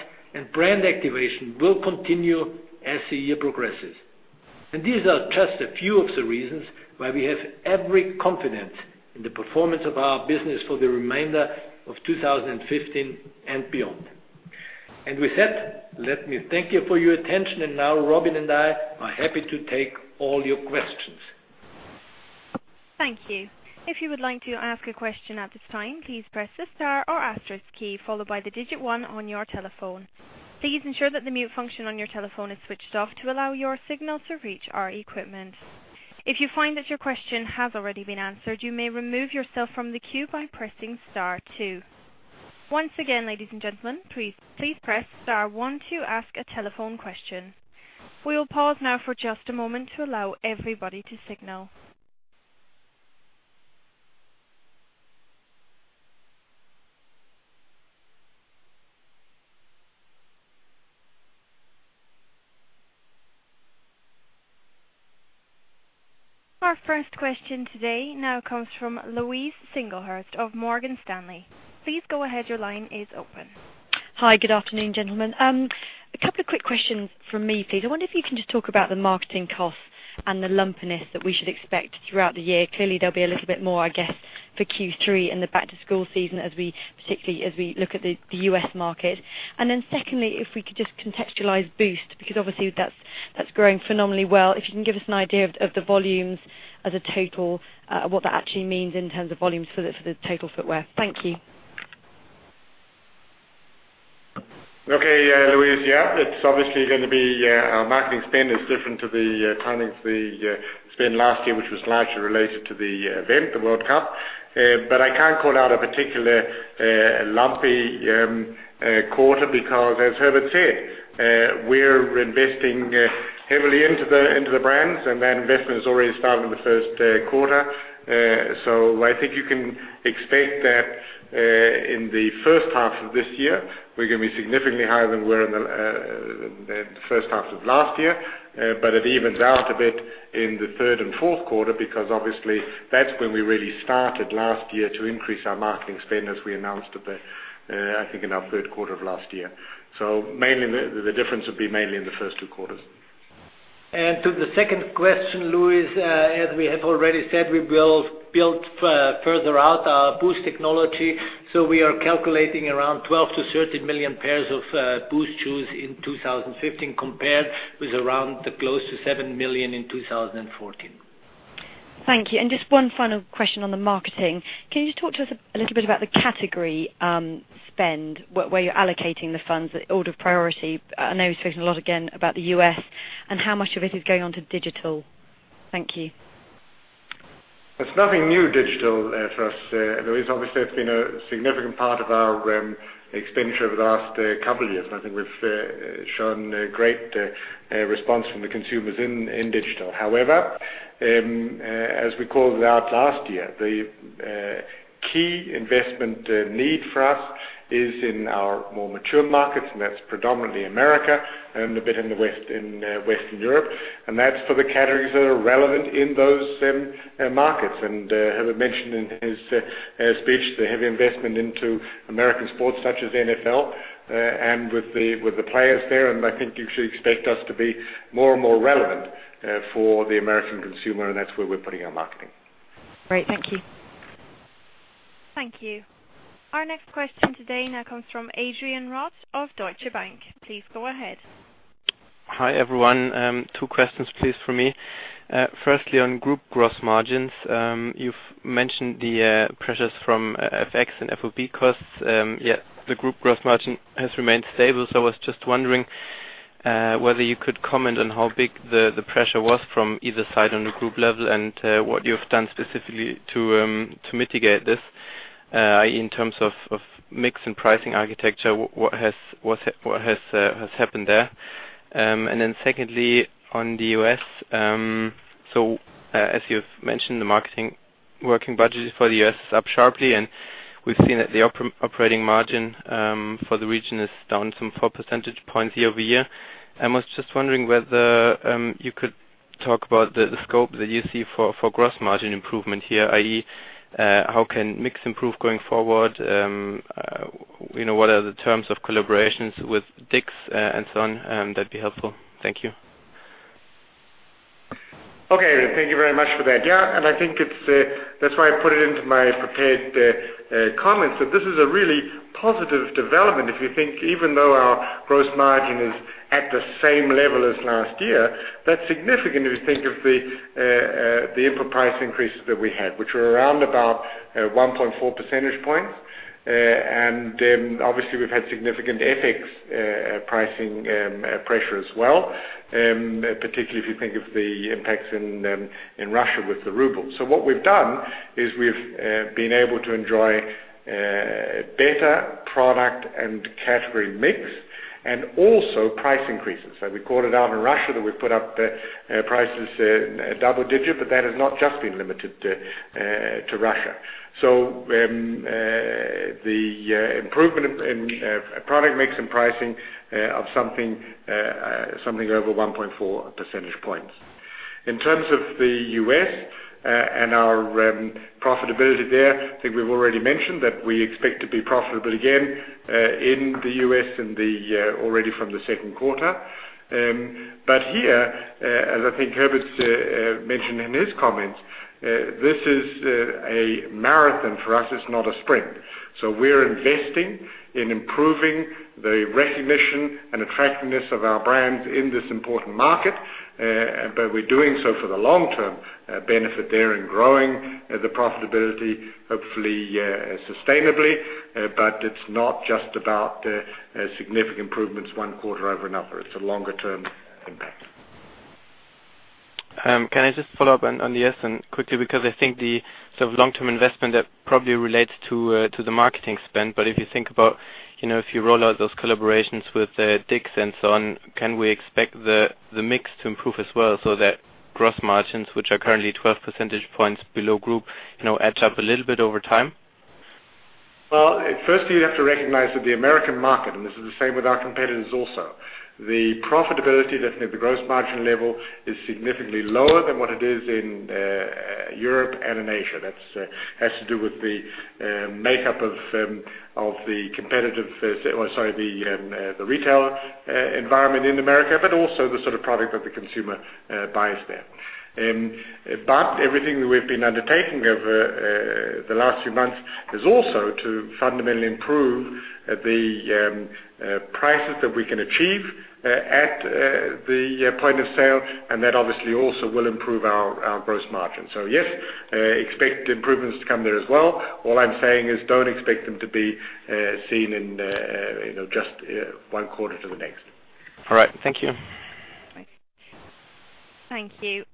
Brand activation will continue as the year progresses. These are just a few of the reasons why we have every confidence in the performance of our business for the remainder of 2015 and beyond. With that, let me thank you for your attention. Now, Robin and I are happy to take all your questions. Thank you. If you would like to ask a question at this time, please press the star or asterisk key followed by the digit 1 on your telephone. Please ensure that the mute function on your telephone is switched off to allow your signal to reach our equipment. If you find that your question has already been answered, you may remove yourself from the queue by pressing star 2. Once again, ladies and gentlemen, please press star 1 to ask a telephone question. We will pause now for just a moment to allow everybody to signal. Our first question today now comes from Louise Singlehurst of Morgan Stanley. Please go ahead. Your line is open. Hi. Good afternoon, gentlemen. A couple of quick questions from me, please. I wonder if you can just talk about the marketing costs and the lumpiness that we should expect throughout the year. Clearly, there'll be a little bit more, I guess, for Q3 and the back-to-school season, particularly as we look at the U.S. market. Then secondly, if we could just contextualize Boost, because obviously that's growing phenomenally well. If you can give us an idea of the volumes as a total, what that actually means in terms of volumes for the total footwear. Thank you. Okay, Louise. It's obviously going to be our marketing spend is different to the timing to the spend last year, which was largely related to the event, the World Cup. I can't call out a particular lumpy quarter because, as Herbert said, we're investing heavily into the brands, and that investment has already started in the first quarter. I think you can expect that in the first half of this year, we're going to be significantly higher than we were in the first half of last year. It evens out a bit in the third and fourth quarter because obviously that's when we really started last year to increase our marketing spend, as we announced, I think, in our third quarter of last year. The difference would be mainly in the first two quarters. To the second question, Louise, as we have already said, we will build further out our Boost technology. We are calculating around 12 million-13 million pairs of Boost shoes in 2015, compared with around close to 7 million in 2014. Thank you. Just one final question on the marketing. Can you just talk to us a little bit about the category spend, where you're allocating the funds, the order of priority? I know he's spoken a lot again about the U.S. and how much of it is going onto digital. Thank you. It's nothing new digital for us. Obviously, it's been a significant part of our expenditure over the last couple of years, I think we've shown a great response from the consumers in digital. As we called it out last year, the key investment need for us is in our more mature markets, and that's predominantly America and a bit in Western Europe. That's for the categories that are relevant in those markets. Herbert mentioned in his speech the heavy investment into American sports such as NFL and with the players there, I think you should expect us to be more and more relevant for the American consumer, and that's where we're putting our marketing. Great. Thank you. Thank you. Our next question today now comes from Adrian Rott of Deutsche Bank. Please go ahead. Hi, everyone. Two questions please for me. Firstly, on group gross margins. You've mentioned the pressures from FX and FOB costs. Yet the group gross margin has remained stable. I was just wondering whether you could comment on how big the pressure was from either side on the group level and what you've done specifically to mitigate this, i.e., in terms of mix and pricing architecture, what has happened there? Secondly, on the U.S. As you've mentioned, the marketing working budget for the U.S. is up sharply, and we've seen that the operating margin for the region is down some four percentage points year-over-year. I was just wondering whether you could talk about the scope that you see for gross margin improvement here, i.e., how can mix improve going forward? What are the terms of collaborations with Dick's and so on? That'd be helpful. Thank you. Okay. Thank you very much for that. I think that's why I put it into my prepared comments, that this is a really positive development. If you think, even though our gross margin is at the same level as last year, that's significant if you think of the input price increases that we had, which were around about 1.4 percentage points. Obviously we've had significant FX pricing pressure as well, particularly if you think of the impacts in Russia with the ruble. What we've done is we've been able to enjoy better product and category mix and also price increases. We called it out in Russia that we put up prices double digit, but that has not just been limited to Russia. The improvement in product mix and pricing of something over 1.4 percentage points. In terms of the U.S. and our profitability there, I think we've already mentioned that we expect to be profitable again in the U.S. already from the second quarter. Here, as I think Herbert mentioned in his comments, this is a marathon for us. It's not a sprint. We're investing in improving the recognition and attractiveness of our brands in this important market. We're doing so for the long-term benefit there in growing the profitability, hopefully sustainably. It's not just about significant improvements one quarter over another. It's a longer-term impact. Can I just follow up on the S quickly? I think the long-term investment probably relates to the marketing spend. If you think about, if you roll out those collaborations with Dick's and so on, can we expect the mix to improve as well, so that gross margins, which are currently 12 percentage points below group, edge up a little bit over time? Firstly, you have to recognize that the American market, and this is the same with our competitors also, the profitability at the gross margin level is significantly lower than what it is in Europe and in Asia. That has to do with the makeup of the retail environment in America, but also the sort of product that the consumer buys there. Everything that we've been undertaking over the last few months is also to fundamentally improve the prices that we can achieve at the point of sale, and that obviously also will improve our gross margin. Yes, expect improvements to come there as well. All I'm saying is, don't expect them to be seen in just one quarter to the next. All right. Thank you. Thanks. Thank you.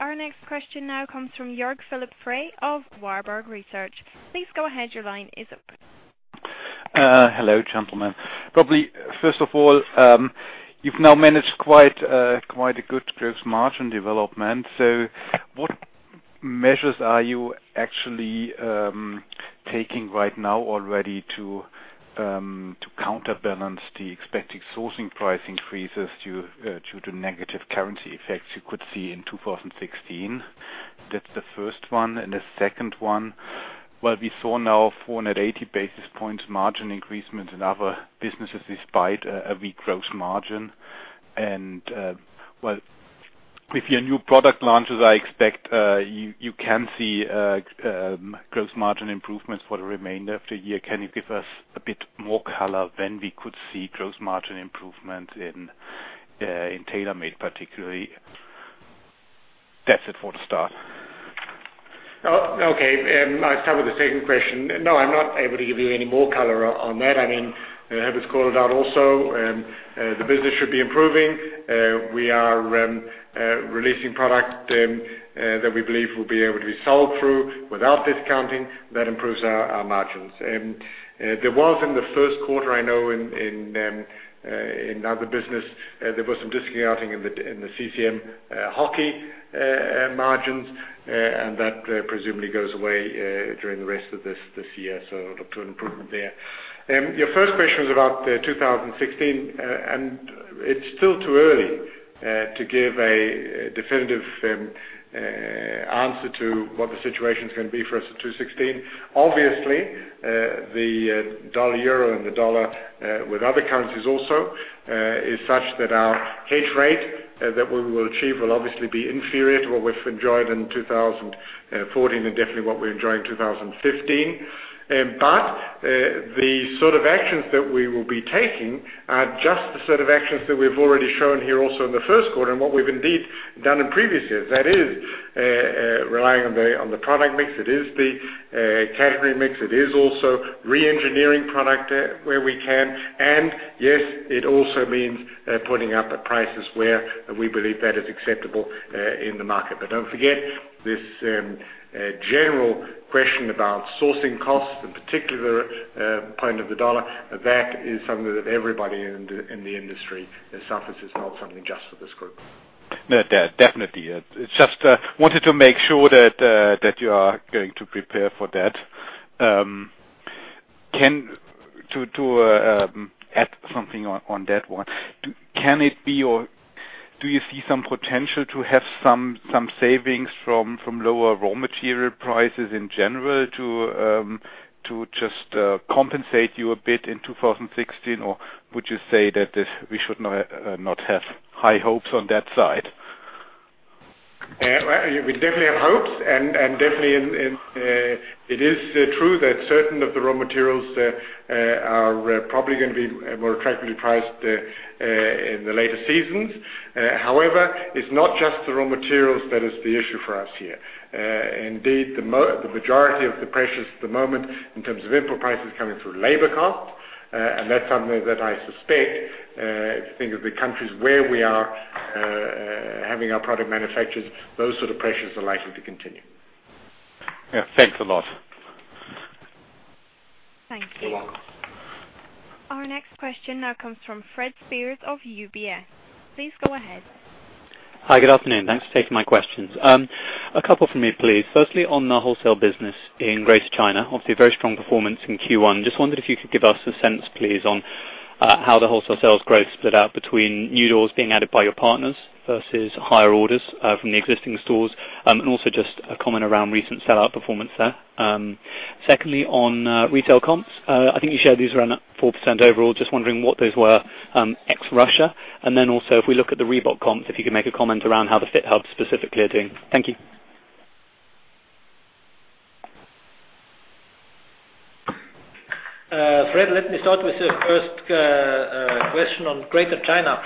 Our next question now comes from Jörg Philipp Frey of Warburg Research. Please go ahead. Your line is open. Hello, gentlemen. Probably, first of all, you've now managed quite a good gross margin development. What measures are you actually taking right now already to counterbalance the expected sourcing price increases due to negative currency effects you could see in 2016? That's the first one. The second one, while we saw now 480 basis points margin increase in other businesses despite a weak gross margin. Well, with your new product launches, I expect you can see gross margin improvements for the remainder of the year. Can you give us a bit more color when we could see gross margin improvement in TaylorMade, particularly? That's it for the start. Okay. I'll start with the second question. No, I'm not able to give you any more color on that. Herbert has called it out also. The business should be improving. We are releasing product that we believe will be able to be sold through without discounting. That improves our margins. There was, in the first quarter, I know, in other business, there was some discounting in the CCM Hockey margins. That presumably goes away during the rest of this year, so look to an improvement there. Your first question was about 2016, it's still too early to give a definitive answer to what the situation is going to be for us in 2016. The dollar/euro and the dollar with other currencies also is such that our hedge rate that we will achieve will obviously be inferior to what we've enjoyed in 2014 and definitely what we enjoy in 2015. The sort of actions that we will be taking are just the sort of actions that we've already shown here also in the first quarter and what we've indeed done in previous years. That is relying on the product mix. It is the category mix. It is also re-engineering product where we can. Yes, it also means putting up prices where we believe that is acceptable in the market. Don't forget this general question about sourcing costs, in particular point of the dollar. That is something that everybody in the industry suffers. It's not something just for this group. No, definitely. I just wanted to make sure that you are going to prepare for that. To add something on that one, do you see some potential to have some savings from lower raw material prices in general to just compensate you a bit in 2016? Would you say that we should not have high hopes on that side? We definitely have hopes, and definitely it is true that certain of the raw materials are probably going to be more attractively priced in the later seasons. However, it's not just the raw materials that is the issue for us here. Indeed, the majority of the pressures at the moment in terms of input prices coming through labor costs, that's something that I suspect, if you think of the countries where we are having our product manufactured, those sort of pressures are likely to continue. Yeah. Thanks a lot. Thank you. You're welcome. Our next question now comes from Fred Speirs of UBS. Please go ahead. Hi. Good afternoon. Thanks for taking my questions. A couple from me, please. Firstly, on the wholesale business in Greater China. Obviously, very strong performance in Q1. Just wondered if you could give us a sense, please, on how the wholesale sales growth split out between new doors being added by your partners versus higher orders from the existing stores, and also just a comment around recent sellout performance there. Secondly, on retail comps. I think you shared these were on 4% overall. Just wondering what those were ex Russia. And then also if we look at the Reebok comps, if you could make a comment around how the FitHub specifically are doing. Thank you. Fred, let me start with the first question on Greater China.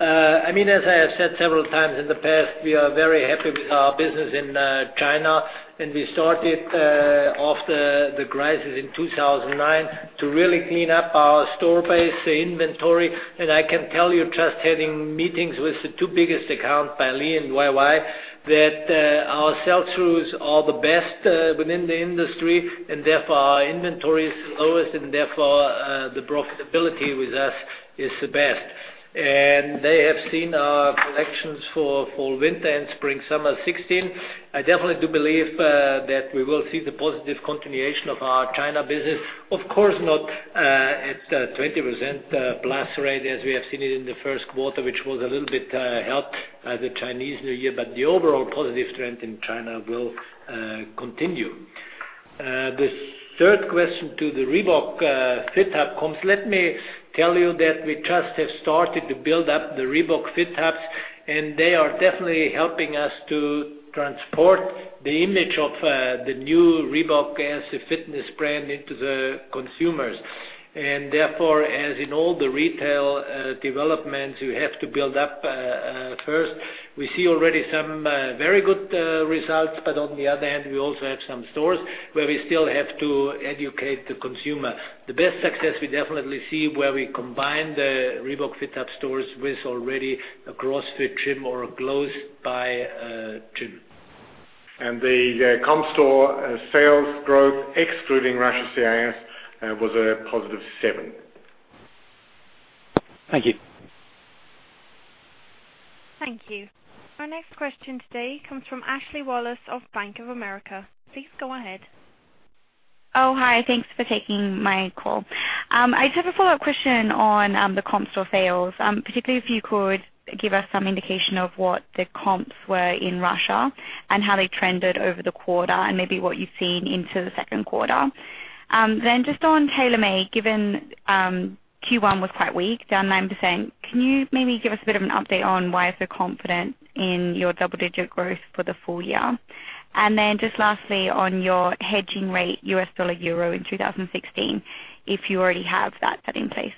As I have said several times in the past, we are very happy with our business in China. We started Of the crisis in 2009 to really clean up our store base inventory. I can tell you, just having meetings with the two biggest accounts, Belle and YY, that our sell-throughs are the best within the industry, and therefore our inventory is the lowest, and therefore, the profitability with us is the best. They have seen our collections for fall/winter and spring/summer 2016. I definitely do believe that we will see the positive continuation of our China business. Of course, not at 20% plus rate as we have seen it in the first quarter, which was a little bit helped by the Chinese New Year. The overall positive trend in China will continue. The third question to the Reebok FitHub comps, let me tell you that we just have started to build up the Reebok FitHubs, and they are definitely helping us to transport the image of the new Reebok as a fitness brand into the consumers. Therefore, as in all the retail developments, you have to build up first. We see already some very good results. On the other hand, we also have some stores where we still have to educate the consumer. The best success we definitely see where we combine the Reebok FitHub stores with already a CrossFit gym or close by a gym. The comp store sales growth, excluding Russia CIS, was a positive seven. Thank you. Thank you. Our next question today comes from Ashley Wallace of Bank of America. Please go ahead. Hi. Thanks for taking my call. I just have a follow-up question on the comp store sales, particularly if you could give us some indication of what the comps were in Russia and how they trended over the quarter and maybe what you've seen into the second quarter. Just on TaylorMade, given Q1 was quite weak, down 9%, can you maybe give us a bit of an update on why you're so confident in your double-digit growth for the full year? Just lastly, on your hedging rate U.S. dollar/euro in 2016, if you already have that set in place.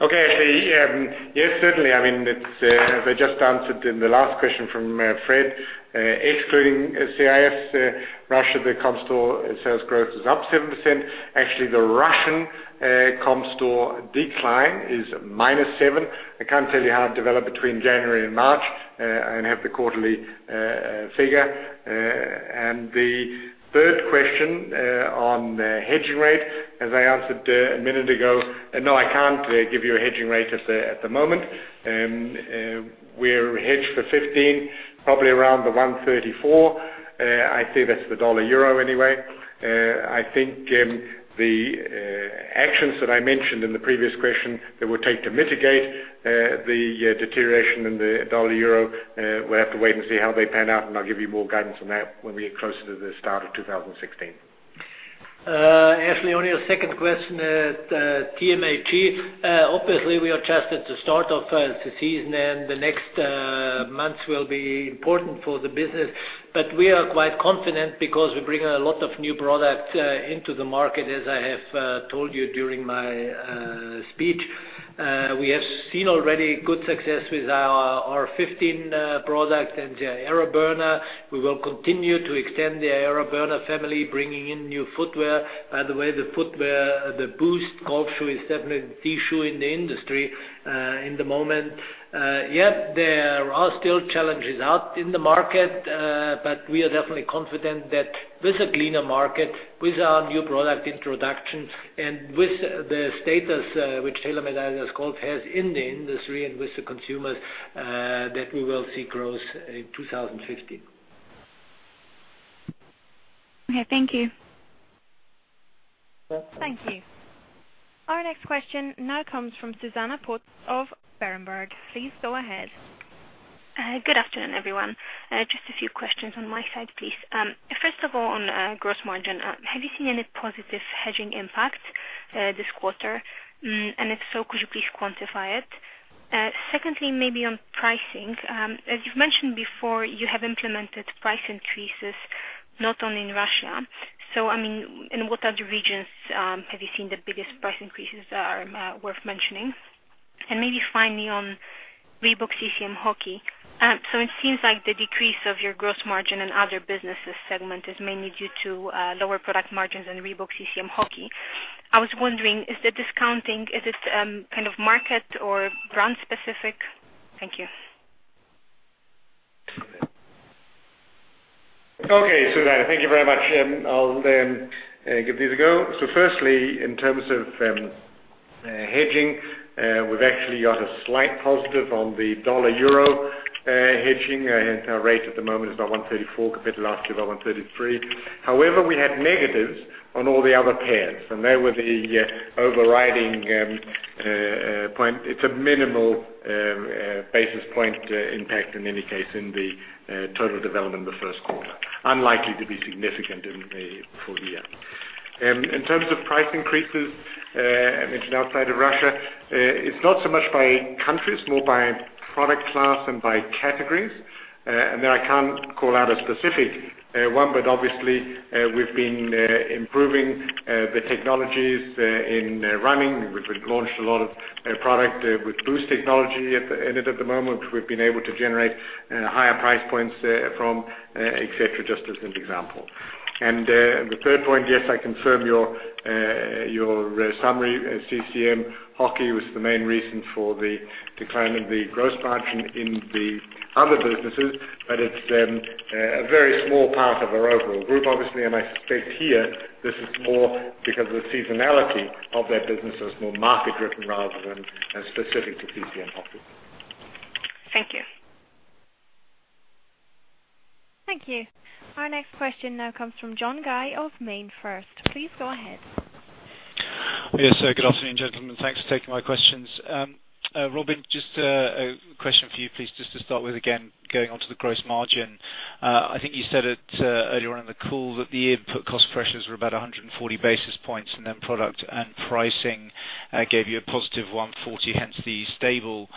Okay, Ashley. Yes, certainly. I just answered in the last question from Fred. Excluding CIS Russia, the comp store sales growth is up 7%. Actually, the Russian comp store decline is minus seven. I can't tell you how it developed between January and March. I don't have the quarterly figure. The third question on the hedging rate, as I answered a minute ago, no, I can't give you a hedging rate at the moment. We're hedged for 2015, probably around the 134. I say that's the U.S. dollar/euro, anyway. I think the actions that I mentioned in the previous question that we'll take to mitigate the deterioration in the U.S. dollar/euro, we'll have to wait and see how they pan out, and I'll give you more guidance on that when we get closer to the start of 2016. Ashley, on your second question, TMAG. Obviously, we are just at the start of the season, and the next months will be important for the business. We are quite confident because we bring a lot of new products into the market, as I have told you during my speech. We have seen already good success with our R15 product and the AeroBurner. We will continue to extend the AeroBurner family, bringing in new footwear. By the way, the footwear, the Boost golf shoe is definitely the shoe in the industry at the moment. There are still challenges out in the market, but we are definitely confident that with a cleaner market, with our new product introduction, and with the status which TaylorMade Golf has in the industry and with the consumers, that we will see growth in 2016. Okay, thank you. Thank you. Our next question now comes from Zuzanna Pusz of Berenberg. Please go ahead. Good afternoon, everyone. A few questions on my side, please. On gross margin, have you seen any positive hedging impact this quarter? If so, could you please quantify it? Maybe on pricing. As you've mentioned before, you have implemented price increases, not only in Russia. I mean, in what other regions have you seen the biggest price increases that are worth mentioning? Maybe finally, on Reebok-CCM Hockey. It seems like the decrease of your gross margin and other businesses segment is mainly due to lower product margins in Reebok-CCM Hockey. I was wondering, is the discounting, is it kind of market or brand specific? Thank you. Okay, Zuzanna. Thank you very much. I'll give these a go. Firstly, in terms of hedging, we've actually got a slight positive on the dollar/euro hedging. Our rate at the moment is about 134 compared to last year about 133. However, we had negatives on all the other pairs. They were the overriding point. It's a minimal basis point impact in any case in the total development in the first quarter. Unlikely to be significant in the full year. In terms of price increases I mentioned outside of Russia. It's not so much by countries, more by product class and by categories. I can't call out a specific one, but obviously, we've been improving the technologies in running, which we've launched a lot of product with Boost technology at the end of the moment. We've been able to generate higher price points from, et cetera, just as an example. The third point, yes, I confirm your summary. CCM Hockey was the main reason for the decline of the gross margin in the other businesses, but it's a very small part of our overall group, obviously. I suspect here, this is more because of the seasonality of that business, so it's more market-driven rather than specific to CCM Hockey. Thank you. Thank you. Our next question now comes from John Guy of MainFirst. Please go ahead. Yes. Good afternoon, gentlemen. Thanks for taking my questions. Robin, just a question for you, please, just to start with again, going on to the gross margin. I think you said it earlier on in the call that the input cost pressures were about 140 basis points, and then product and pricing gave you a positive 140, hence the stable.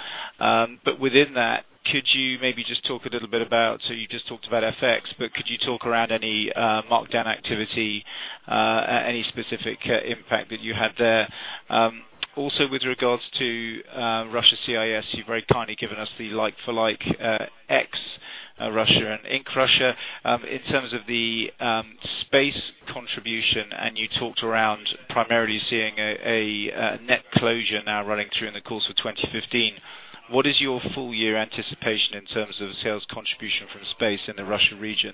Within that, could you maybe just talk a little bit about You just talked about FX, but could you talk around any markdown activity, any specific impact that you had there? Also with regards to Russia CIS, you've very kindly given us the like-for-like ex-Russia and in Russia. In terms of the space contribution, and you talked around primarily seeing a net closure now running through in the course of 2015. What is your full year anticipation in terms of sales contribution from space in the Russia region?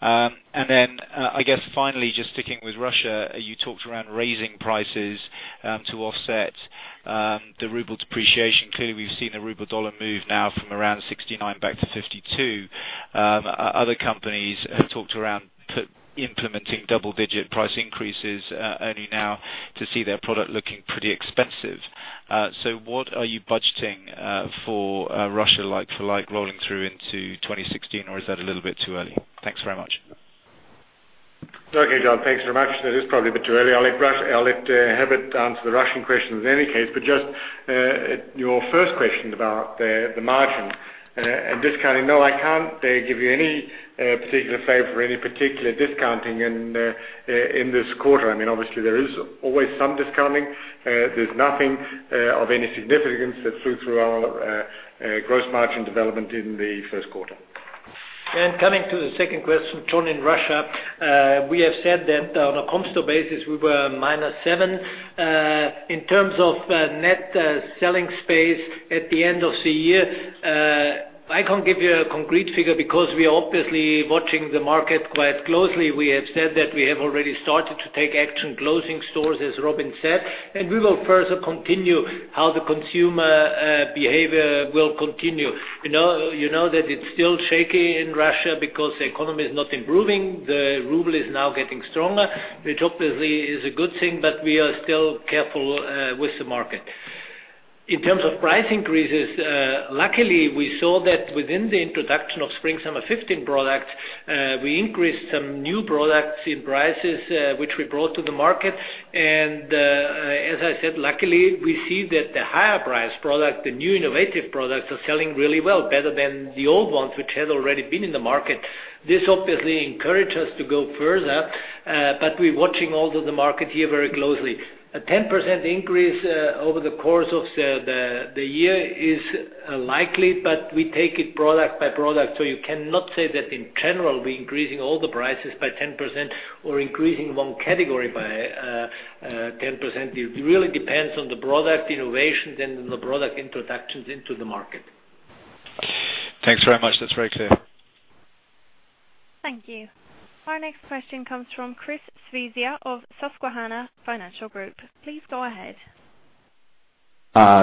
Then, I guess finally, just sticking with Russia, you talked around raising prices to offset the ruble depreciation. Clearly, we've seen the ruble-dollar move now from around 69 back to 52. Other companies have talked around implementing double-digit price increases, only now to see their product looking pretty expensive. What are you budgeting for Russia like for like rolling through into 2016? Or is that a little bit too early? Thanks very much. Okay, John. Thanks very much. That is probably a bit too early. I'll let Herbert answer the Russian questions in any case. Just your first question about the margin and discounting. No, I can't give you any particular favor for any particular discounting in this quarter. Obviously, there is always some discounting. There's nothing of any significance that flew through our gross margin development in the first quarter. Coming to the second question, John, in Russia, we have said that on a constant basis, we were minus seven. In terms of net selling space at the end of the year, I can't give you a concrete figure because we are obviously watching the market quite closely. We have said that we have already started to take action closing stores, as Robin said, and we will further continue how the consumer behavior will continue. You know that it's still shaky in Russia because the economy is not improving. The ruble is now getting stronger, which obviously is a good thing, but we are still careful with the market. In terms of price increases, luckily, we saw that within the introduction of Spring-Summer '15 products, we increased some new products in prices, which we brought to the market. As I said, luckily, we see that the higher-priced product, the new innovative products, are selling really well, better than the old ones, which had already been in the market. This obviously encouraged us to go further. We're watching also the market here very closely. A 10% increase over the course of the year is likely, but we take it product by product, so you cannot say that in general, we're increasing all the prices by 10% or increasing one category by 10%. It really depends on the product innovations and the product introductions into the market. Thanks very much. That's very clear. Thank you. Our next question comes from Christopher Svezia of Susquehanna Financial Group. Please go ahead.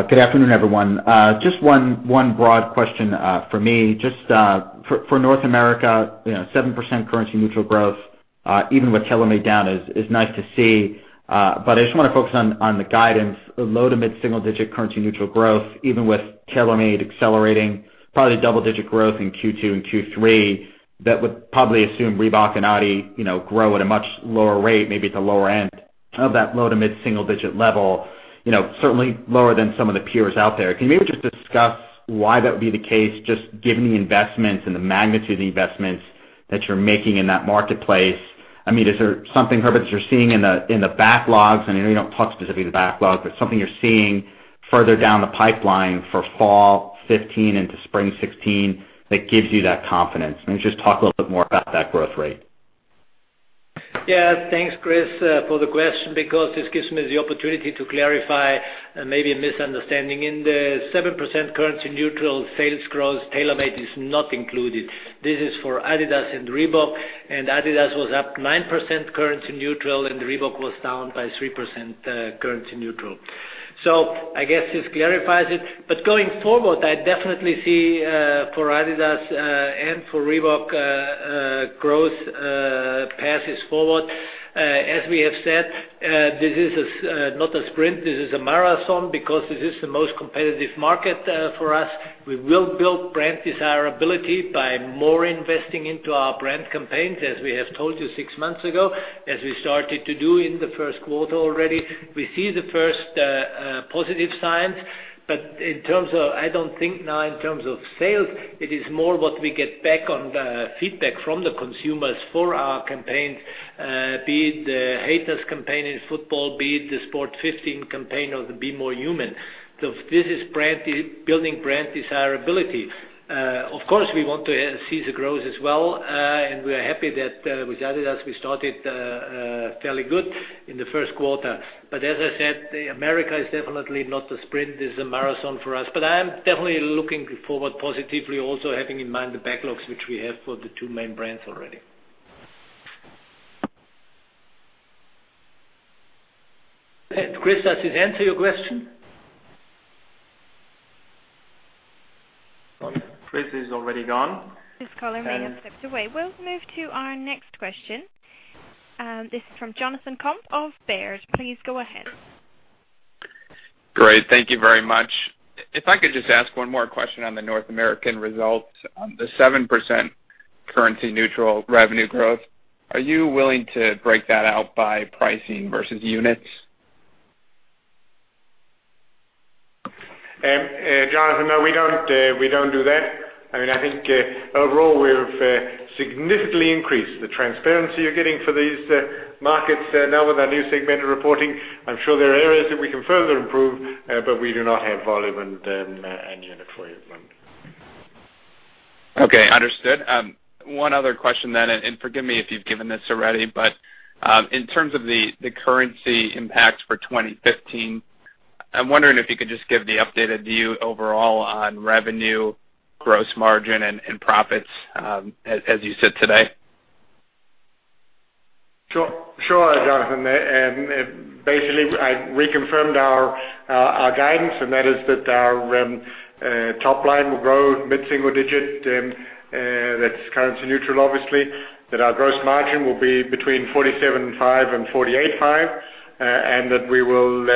Good afternoon, everyone. Just one broad question for me. Just for North America, 7% currency neutral growth, even with TaylorMade down is nice to see. I just want to focus on the guidance, low to mid single digit currency neutral growth, even with TaylorMade accelerating probably double-digit growth in Q2 and Q3, that would probably assume Reebok and Adi grow at a much lower rate, maybe at the lower end of that low to mid single digit level. Certainly lower than some of the peers out there. Can you maybe just discuss why that would be the case, just given the investments and the magnitude of the investments that you're making in that marketplace? Is there something, Herbert, you're seeing in the backlogs? I know you don't talk specifically the backlogs, something you're seeing further down the pipeline for Fall 2015 into Spring 2016 that gives you that confidence. Maybe just talk a little bit more about that growth rate. Yeah. Thanks, Chris, for the question because this gives me the opportunity to clarify maybe a misunderstanding. In the 7% currency neutral sales growth, TaylorMade is not included. This is for adidas and Reebok, and adidas was up 9% currency neutral, and Reebok was down by 3% currency neutral. I guess this clarifies it. Going forward, I definitely see For adidas and for Reebok growth path is forward. As we have said, this is not a sprint, this is a marathon because this is the most competitive market for us. We will build brand desirability by more investing into our brand campaigns, as we have told you six months ago, as we started to do in the first quarter already. We see the first positive signs. I don't think now in terms of sales, it is more what we get back on feedback from the consumers for our campaigns, be it the Haters campaign in football, be it the Sport 15 campaign or the Be More Human. This is building brand desirability. Of course, we want to see the growth as well, and we are happy that with adidas, we started fairly good in the first quarter. As I said, America is definitely not a sprint, it's a marathon for us. I am definitely looking forward positively, also having in mind the backlogs which we have for the two main brands already. Chris, does this answer your question? Chris is already gone. This caller may have stepped away. We'll move to our next question. This is from Jonathan Komp of Baird. Please go ahead. Great. Thank you very much. If I could just ask one more question on the North American results. On the 7% currency-neutral revenue growth, are you willing to break that out by pricing versus units? Jonathan, no, we don't do that. I think overall, we have significantly increased the transparency you're getting for these markets now with our new segmented reporting. I'm sure there are areas that we can further improve, but we do not have volume and unit for you at the moment. Okay, understood. One other question then, and forgive me if you've given this already, but, in terms of the currency impact for 2015, I'm wondering if you could just give the updated view overall on revenue, gross margin, and profits as you sit today. Sure, Jonathan. Basically, we confirmed our guidance, and that is that our top line will grow mid-single digit. That's currency neutral, obviously. That our gross margin will be between 47.5 and 48.5, and that we will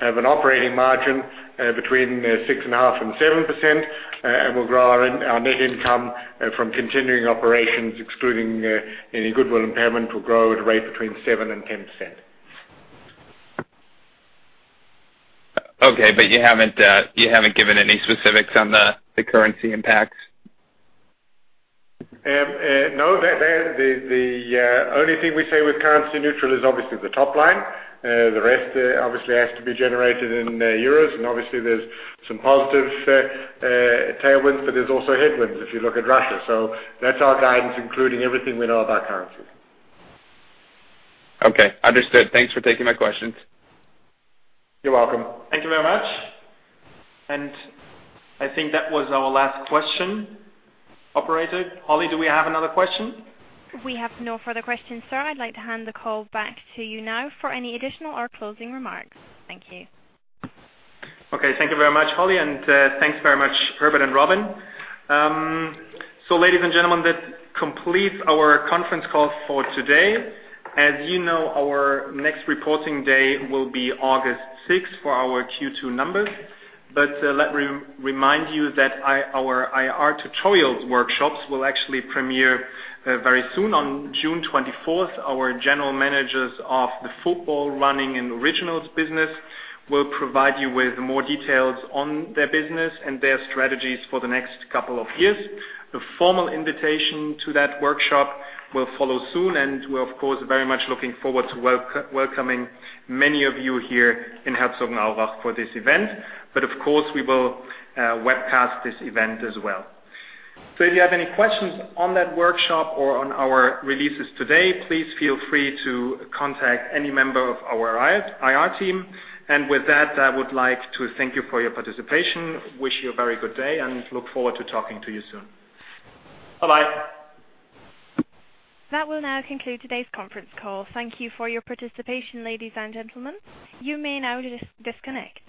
have an operating margin between 6.5 and 7%, and we'll grow our net income from continuing operations, excluding any goodwill impairment, will grow at a rate between 7 and 10%. Okay. You haven't given any specifics on the currency impacts? No. The only thing we say with currency neutral is obviously the top line. The rest obviously has to be generated in euros, and obviously there's some positive tailwinds, but there's also headwinds if you look at Russia. That's our guidance, including everything we know about currency. Okay, understood. Thanks for taking my questions. You're welcome. Thank you very much. I think that was our last question. Operator, Holly, do we have another question? We have no further questions, sir. I'd like to hand the call back to you now for any additional or closing remarks. Thank you. Okay. Thank you very much, Holly, and thanks very much, Herbert and Robin. Ladies and gentlemen, that completes our conference call for today. As you know, our next reporting day will be August six for our Q2 numbers. Let me remind you that our IR tutorials workshops will actually premiere very soon. On June 24th, our general managers of the football, running, and Originals business will provide you with more details on their business and their strategies for the next couple of years. The formal invitation to that workshop will follow soon, and we're, of course, very much looking forward to welcoming many of you here in Herzogenaurach for this event. Of course, we will webcast this event as well. If you have any questions on that workshop or on our releases today, please feel free to contact any member of our IR team. With that, I would like to thank you for your participation, wish you a very good day, and look forward to talking to you soon. Bye-bye. That will now conclude today's conference call. Thank you for your participation, ladies and gentlemen. You may now disconnect.